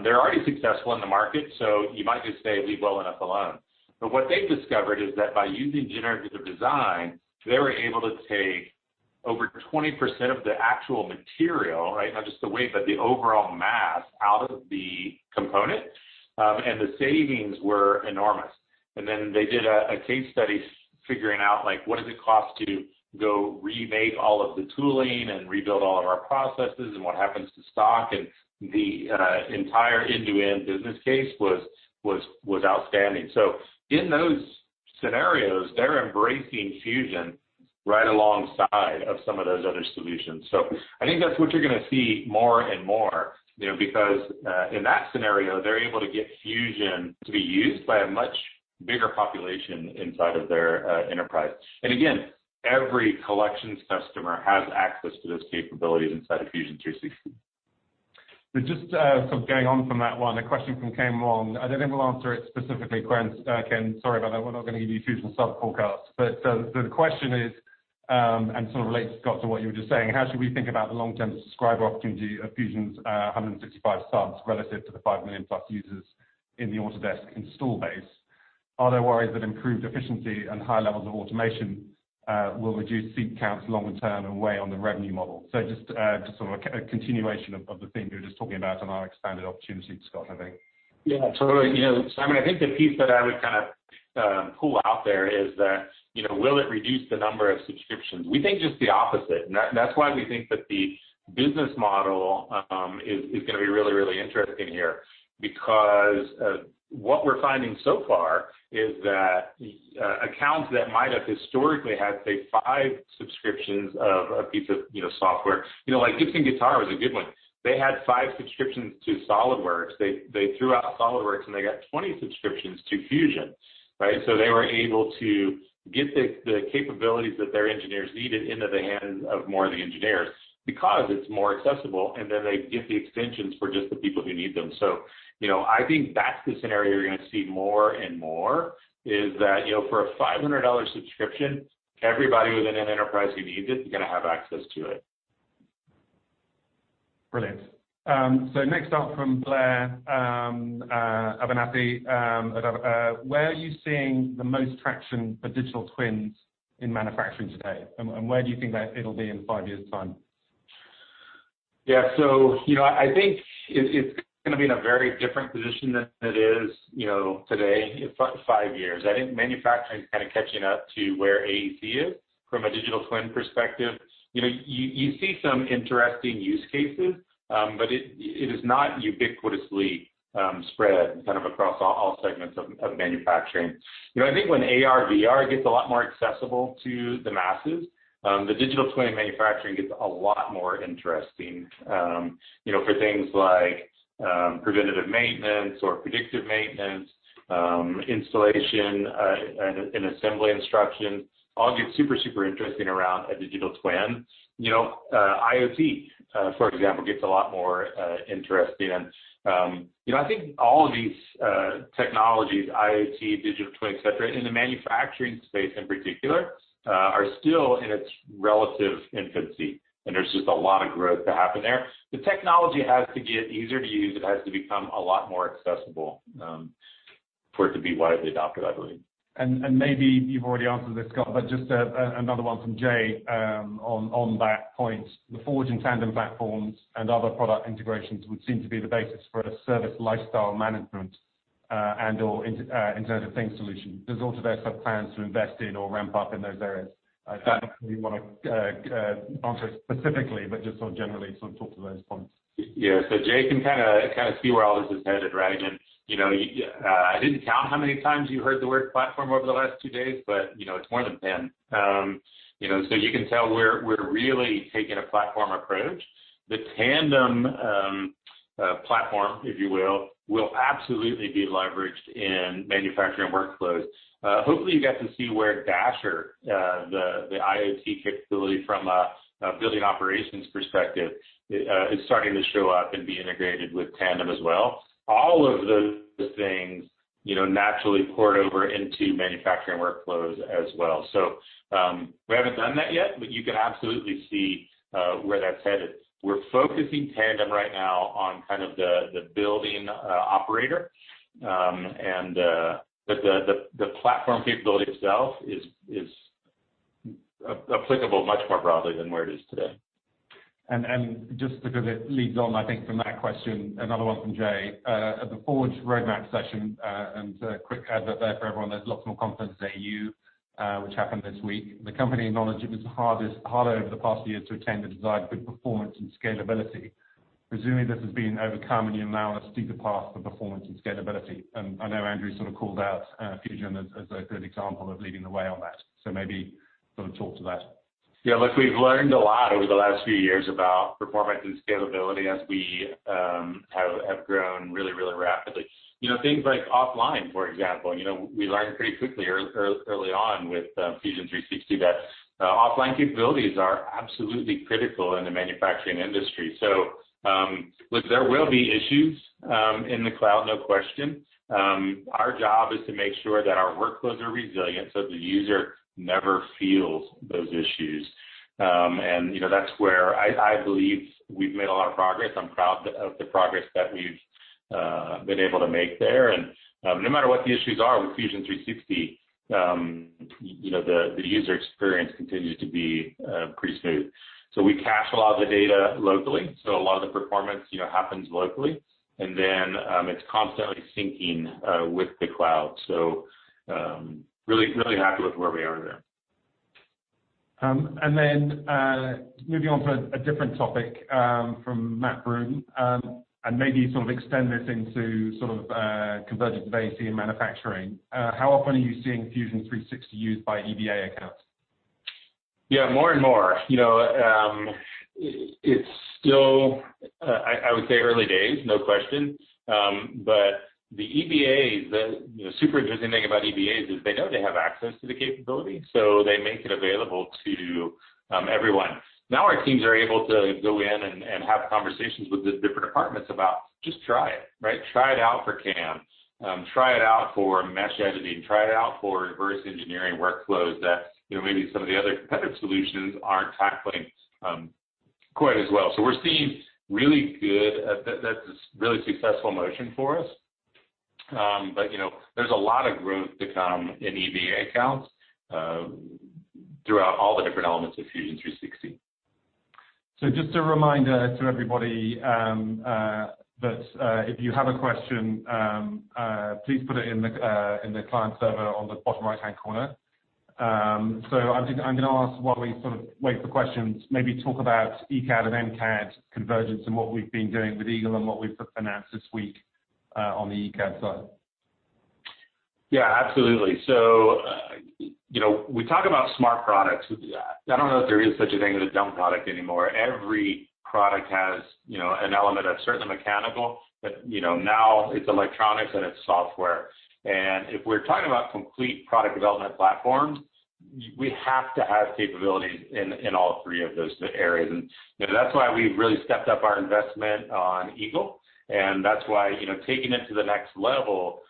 They're already successful in the market, so you might just say, "Leave well enough alone." What they've discovered is that by using generative design, they were able to take over 20% of the actual material, right, not just the weight, but the overall mass out of the component. The savings were enormous. Then they did a case study figuring out what does it cost to go remake all of the tooling and rebuild all of our processes and what happens to stock and the entire end-to-end business case was outstanding. In those scenarios, they're embracing Fusion right alongside of some of those other solutions. I think that's what you're going to see more and more there because, in that scenario, they're able to get Fusion to be used by a much bigger population inside of their enterprise. Again, every collections customer has access to those capabilities inside of Fusion 360. Just sort of going on from that one, a question from Ken Wong. I don't think we'll answer it specifically, Ken. Sorry about that. We're not going to give you Fusion sub forecasts. The question is, and sort of relates, Scott, to what you were just saying. How should we think about the long-term subscriber opportunity of Fusion's 165 subs relative to the 5 million-plus users in the Autodesk install base? Are there worries that improved efficiency and high levels of automation will reduce seat counts long-term and weigh on the revenue model? Just sort of a continuation of the theme you were just talking about and our expanded opportunity, Scott, I think. Yeah, totally. Simon, I think the piece that I would pull out there is that will it reduce the number of subscriptions? We think just the opposite. That's why we think that the business model is going to be really interesting here. What we're finding so far is that accounts that might have historically had, say, five subscriptions of a piece of software. Like Gibson Guitar was a good one. They had five subscriptions to SOLIDWORKS. They threw out SOLIDWORKS, and they got 20 subscriptions to Fusion, right? They were able to get the capabilities that their engineers needed into the hands of more of the engineers because it's more accessible, and then they get the extensions for just the people who need them. I think that's the scenario you're going to see more and more is that, for a $500 subscription, everybody within an enterprise who needs it is going to have access to it. Brilliant. Next up from Blair Abernethy, Where are you seeing the most traction for digital twins in manufacturing today, and where do you think that it'll be in five years' time? Yeah. I think it's going to be in a very different position than it is today in five years. I think manufacturing is kind of catching up to where AEC is from a digital twin perspective. You see some interesting use cases, it is not ubiquitously spread across all segments of manufacturing. I think when AR/VR gets a lot more accessible to the masses, the digital twin in manufacturing gets a lot more interesting. For things like preventative maintenance or predictive maintenance, installation, and assembly instructions, all get super interesting around a digital twin. IoT, for example, gets a lot more interesting. I think all of these technologies, IoT, digital twins, et cetera, in the manufacturing space in particular, are still in its relative infancy, there's just a lot of growth to happen there. The technology has to get easier to use. It has to become a lot more accessible for it to be widely adopted, I believe. Maybe you've already answered this, Scott, but just another one from Jay on that point. The Forge and Tandem platforms and other product integrations would seem to be the basis for a service lifecycle management, and/or Internet of Things solution. Does Autodesk have plans to invest in or ramp up in those areas? Not that you want to answer specifically, but just sort of generally talk to those points. Yeah. Jay can kind of see where all this is headed, right? You know, again, I didn't count how many times you heard the word platform over the last two days, but it's more than 10. You can tell we're really taking a platform approach. The Tandem platform, if you will absolutely be leveraged in manufacturing workflows. Hopefully, you get to see where Dasher, the IoT capability from a building operations perspective, is starting to show up and be integrated with Tandem as well. All of those things naturally port over into manufacturing workflows as well. We haven't done that yet, but you can absolutely see where that's headed. We're focusing Tandem right now on the building operator, but the platform capability itself is applicable much more broadly than where it is today. Just because it leads on, I think, from that question, another one from Jay. At the Forge roadmap session, quick advert there for everyone, there's lots more conferences at AU, which happened this week. The company acknowledged it was harder over the past year to attain the desired good performance and scalability. Presuming this has been overcome and you're now on a steeper path for performance and scalability. I know Andrew sort of called out Fusion as a good example of leading the way on that. Maybe sort of talk to that. Yeah, look, we've learned a lot over the last few years about performance and scalability as we have grown really rapidly. Things like offline, for example. We learned pretty quickly early on with Fusion 360 that offline capabilities are absolutely critical in the manufacturing industry. Look, there will be issues in the cloud, no question. Our job is to make sure that our workflows are resilient so the user never feels those issues. That's where I believe we've made a lot of progress. I'm proud of the progress that we've been able to make there. No matter what the issues are with Fusion 360, the user experience continues to be pretty smooth. We cache a lot of the data locally, so a lot of the performance happens locally. Then it's constantly syncing with the cloud. Really happy with where we are there. Moving on to a different topic from Matt Broome, and maybe you sort of extend this into sort of convergence of AEC and manufacturing. How often are you seeing Fusion 360 used by EBA accounts? Yeah, more and more. It's still, I would say, early days, no question. The super interesting thing about EBAs is they know they have access to the capability, so they make it available to everyone. Now our teams are able to go in and have conversations with the different departments about, "Just try it." Right? Try it out for CAM. Try it out for mesh editing. Try it out for reverse engineering workflows that maybe some of the other competitive solutions aren't tackling quite as well. We're seeing really good, really successful motion for us. But, you know, there's a lot of growth to come in EBA accounts throughout all the different elements of Fusion 360. Just a reminder to everybody, that if you have a question, please put it in the client server on the bottom right-hand corner. I'm going to ask while we sort of wait for questions, maybe talk about ECAD and MCAD convergence and what we've been doing with EAGLE and what we've announced this week on the ECAD side. Yeah, absolutely. You know, we talk about smart products. I don't know if there is such a thing as a dumb product anymore. Every product has an element of certain mechanical, but now it's electronics and it's software. If we're talking about complete product development platforms. We have to have capabilities in all three of those areas. That's why we've really stepped up our investment on EAGLE, and that's why taking it to the next level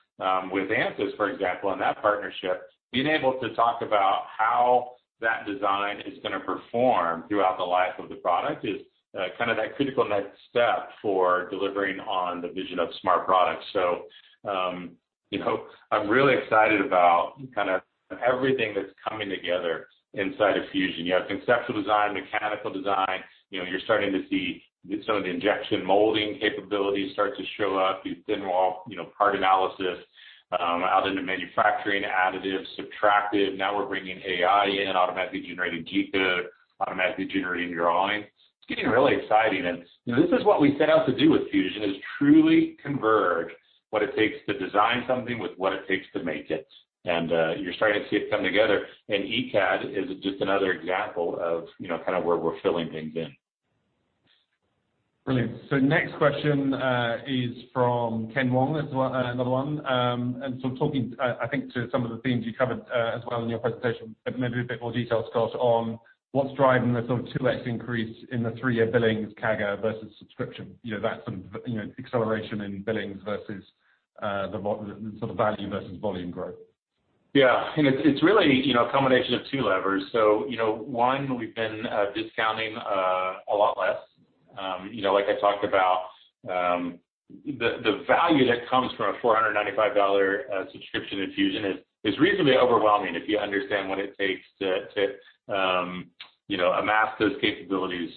with Ansys, for example, and that partnership. Being able to talk about how that design is going to perform throughout the life of the product is that critical next step for delivering on the vision of smart products. I'm really excited about everything that's coming together inside of Fusion. You have conceptual design, mechanical design. You're starting to see some of the injection molding capabilities start to show up. These thin wall part analysis out into manufacturing, additive, subtractive. We're bringing AI in, automatically generating G-code, automatically generating drawings. It's getting really exciting and this is what we set out to do with Fusion is truly converge what it takes to design something with what it takes to make it. You're starting to see it come together, and ECAD is just another example of where we're filling things in. Brilliant. Next question is from Ken Wong as well. Another one. Talking, I think to some of the themes you covered as well in your presentation, but maybe a bit more detail, Scott, on what's driving the 2x increase in the three-year billings CAGR versus subscription. That sort of acceleration in billings versus the value versus volume growth. Yeah. It's really a combination of two levers. You know, one, we've been discounting a lot less. You know, like I talked about the value that comes from a $495 subscription to Fusion is reasonably overwhelming if you understand what it takes to, you know, amass those capabilities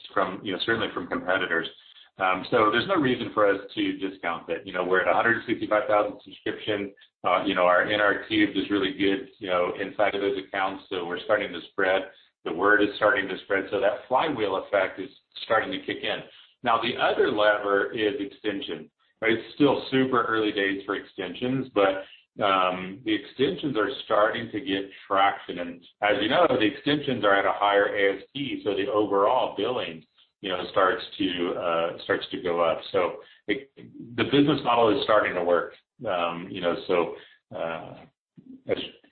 certainly from competitors. There's no reason for us to discount that. We're at 165,000 subscription. Our NRR is really good inside of those accounts. We're starting to spread. The word is starting to spread. That flywheel effect is starting to kick in. Now, the other lever is extension. It's still super early days for extensions, but the extensions are starting to get traction. As you know, the extensions are at a higher ASP, so the overall billing starts to go up. The business model is starting to work. As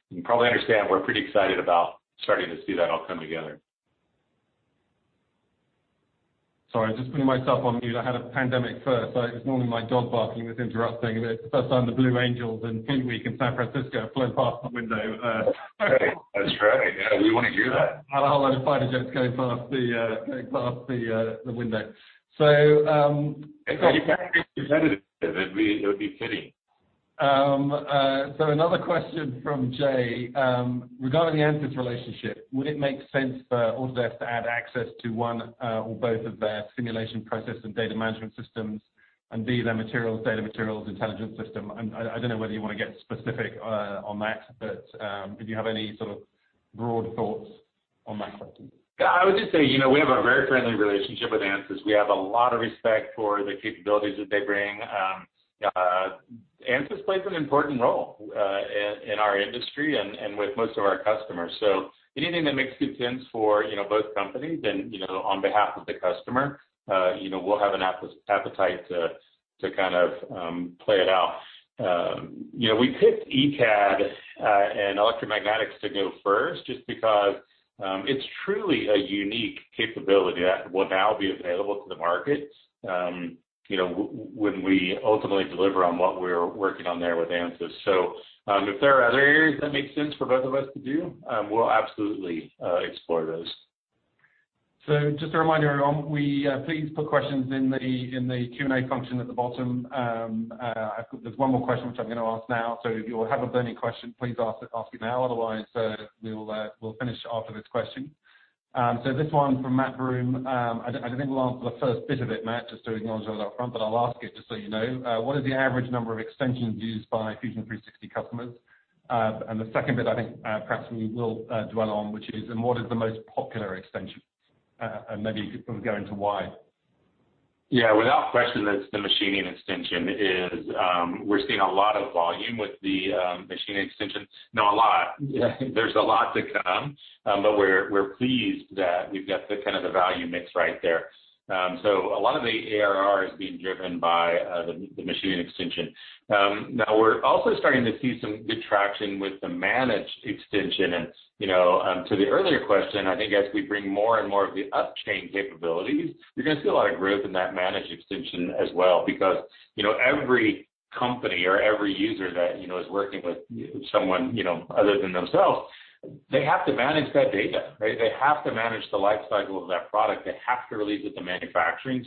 you probably understand, we're pretty excited about starting to see that all come together. Sorry, just putting myself on mute. I had a pandemic pup, so it was normally my dog barking that's interrupting. It's the first time the Blue Angels in Fleet Week in San Francisco have flown past my window. That's right. We want to do that. Had a whole load of fighter jets going past the window. If you can get competitive, it would be fitting. Another question from Jay. Regarding the Ansys relationship, would it make sense for Autodesk to add access to one or both of their simulation process and data management systems and be their materials data, materials intelligence system? I don't know whether you want to get specific on that, but if you have any sort of broad thoughts on that question. Yeah, I would just say we have a very friendly relationship with Ansys. We have a lot of respect for the capabilities that they bring. Ansys plays an important role in our industry and with most of our customers. Anything that makes good sense for both companies and on behalf of the customer, we'll have an appetite to, kind of, Play it out. We picked ECAD and electromagnetics to go first just because it's truly a unique capability that will now be available to the market, you know, when we ultimately deliver on what we're working on there with Ansys. If there are other areas that make sense for both of us to do, we'll absolutely explore those. Just a reminder, everyone, please put questions in the Q&A function at the bottom. There's one more question which I'm going to ask now. If you all have a burning question, please ask it now. Otherwise we'll finish after this question. This one from Matt Broome. I think we'll answer the first bit of it, Matt, just to acknowledge it up front, but I'll ask it just so you know. What is the average number of extensions used by Autodesk Fusion customers? The second bit I think perhaps we will dwell on, which is, and what is the most popular extension? Maybe go into why. Yeah, without question, that's the machining extension is we're seeing a lot of volume with the machining extension. A lot. There's a lot to come. We're pleased that we've got the value mix right there. A lot of the ARR is being driven by the machining extension. We're also starting to see some good traction with the managed extension, you know. To the earlier question, I think as we bring more and more of the Upchain capabilities, you're going to see a lot of growth in that managed extension as well. Every company or every user that is working with someone, you know, other than themselves, they have to manage that data, right? They have to manage the life cycle of that product. They have to release it to manufacturing.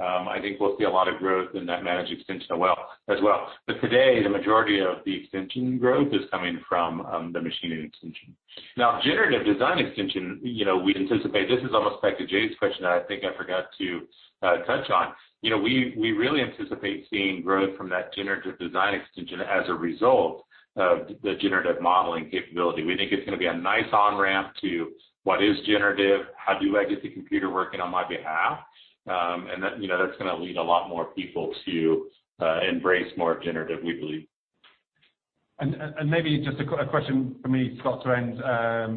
I think we'll see a lot of growth in that managed extension as well. Today, the majority of the extension growth is coming from the machining extension. Generative design extension, you know, we'd anticipate this is almost back to Jay's question that I think I forgot to touch on. We really anticipate seeing growth from that generative design extension as a result of the generative modeling capability. We think it's going to be a nice on-ramp to what is generative, how do I get the computer working on my behalf? That's going to lead a lot more people to embrace more generative, we believe. Maybe just a question from me, Scott, to end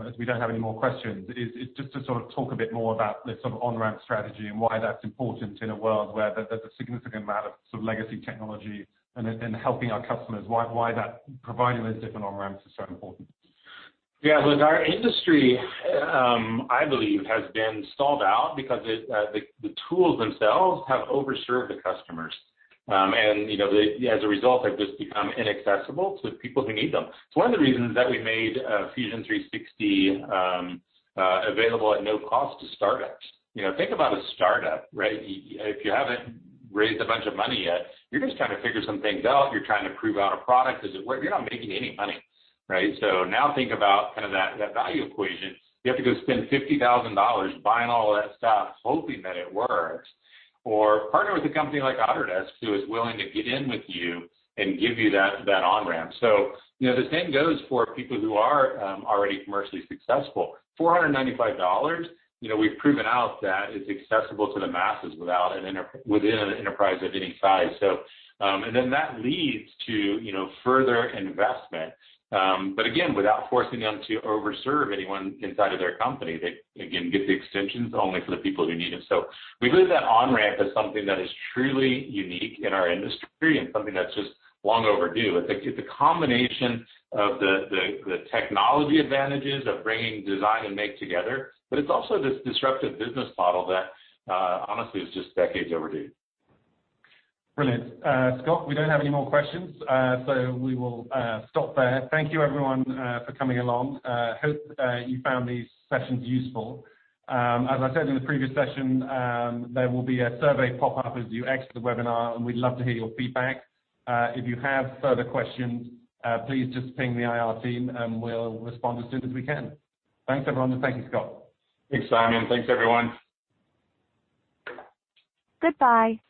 as we don't have any more questions is just to sort of talk a bit more about the sort of on-ramp strategy and why that's important in a world where there's a significant amount of legacy technology and helping our customers. Why that providing those different on-ramps is so important? Yeah. Look, our industry, I believe, has been stalled out because the tools themselves have over-served the customers. As a result, they've just become inaccessible to the people who need them. It's one of the reasons that we made Fusion 360 available at no cost to startups. Think about a startup. If you haven't raised a bunch of money yet, you're just trying to figure some things out. You're trying to prove out a product. Does it work? You're not making any money. Now think about that value equation. You have to go spend $50,000 buying all of that stuff, hoping that it works, or partner with a company like Autodesk who is willing to get in with you and give you that on-ramp. The same goes for people who are already commercially successful. $495, we've proven out that it's accessible to the masses within an enterprise of any size. That leads to further investment. Without forcing them to over-serve anyone inside of their company. They, again, get the extensions only for the people who need them. We believe that on-ramp is something that is truly unique in our industry and something that's just long overdue. It's a combination of the technology advantages of bringing design and make together, but it's also this disruptive business model that, honestly, was just decades overdue. Brilliant. Scott, we don't have any more questions, so we will stop there. Thank you everyone for coming along. Hope you found these sessions useful. As I said in the previous session, there will be a survey pop up as you exit the webinar, and we'd love to hear your feedback. If you have further questions, please just ping the IR team, and we'll respond as soon as we can. Thanks, everyone, and thank you, Scott. Thanks, Simon. Thanks, everyone. Goodbye.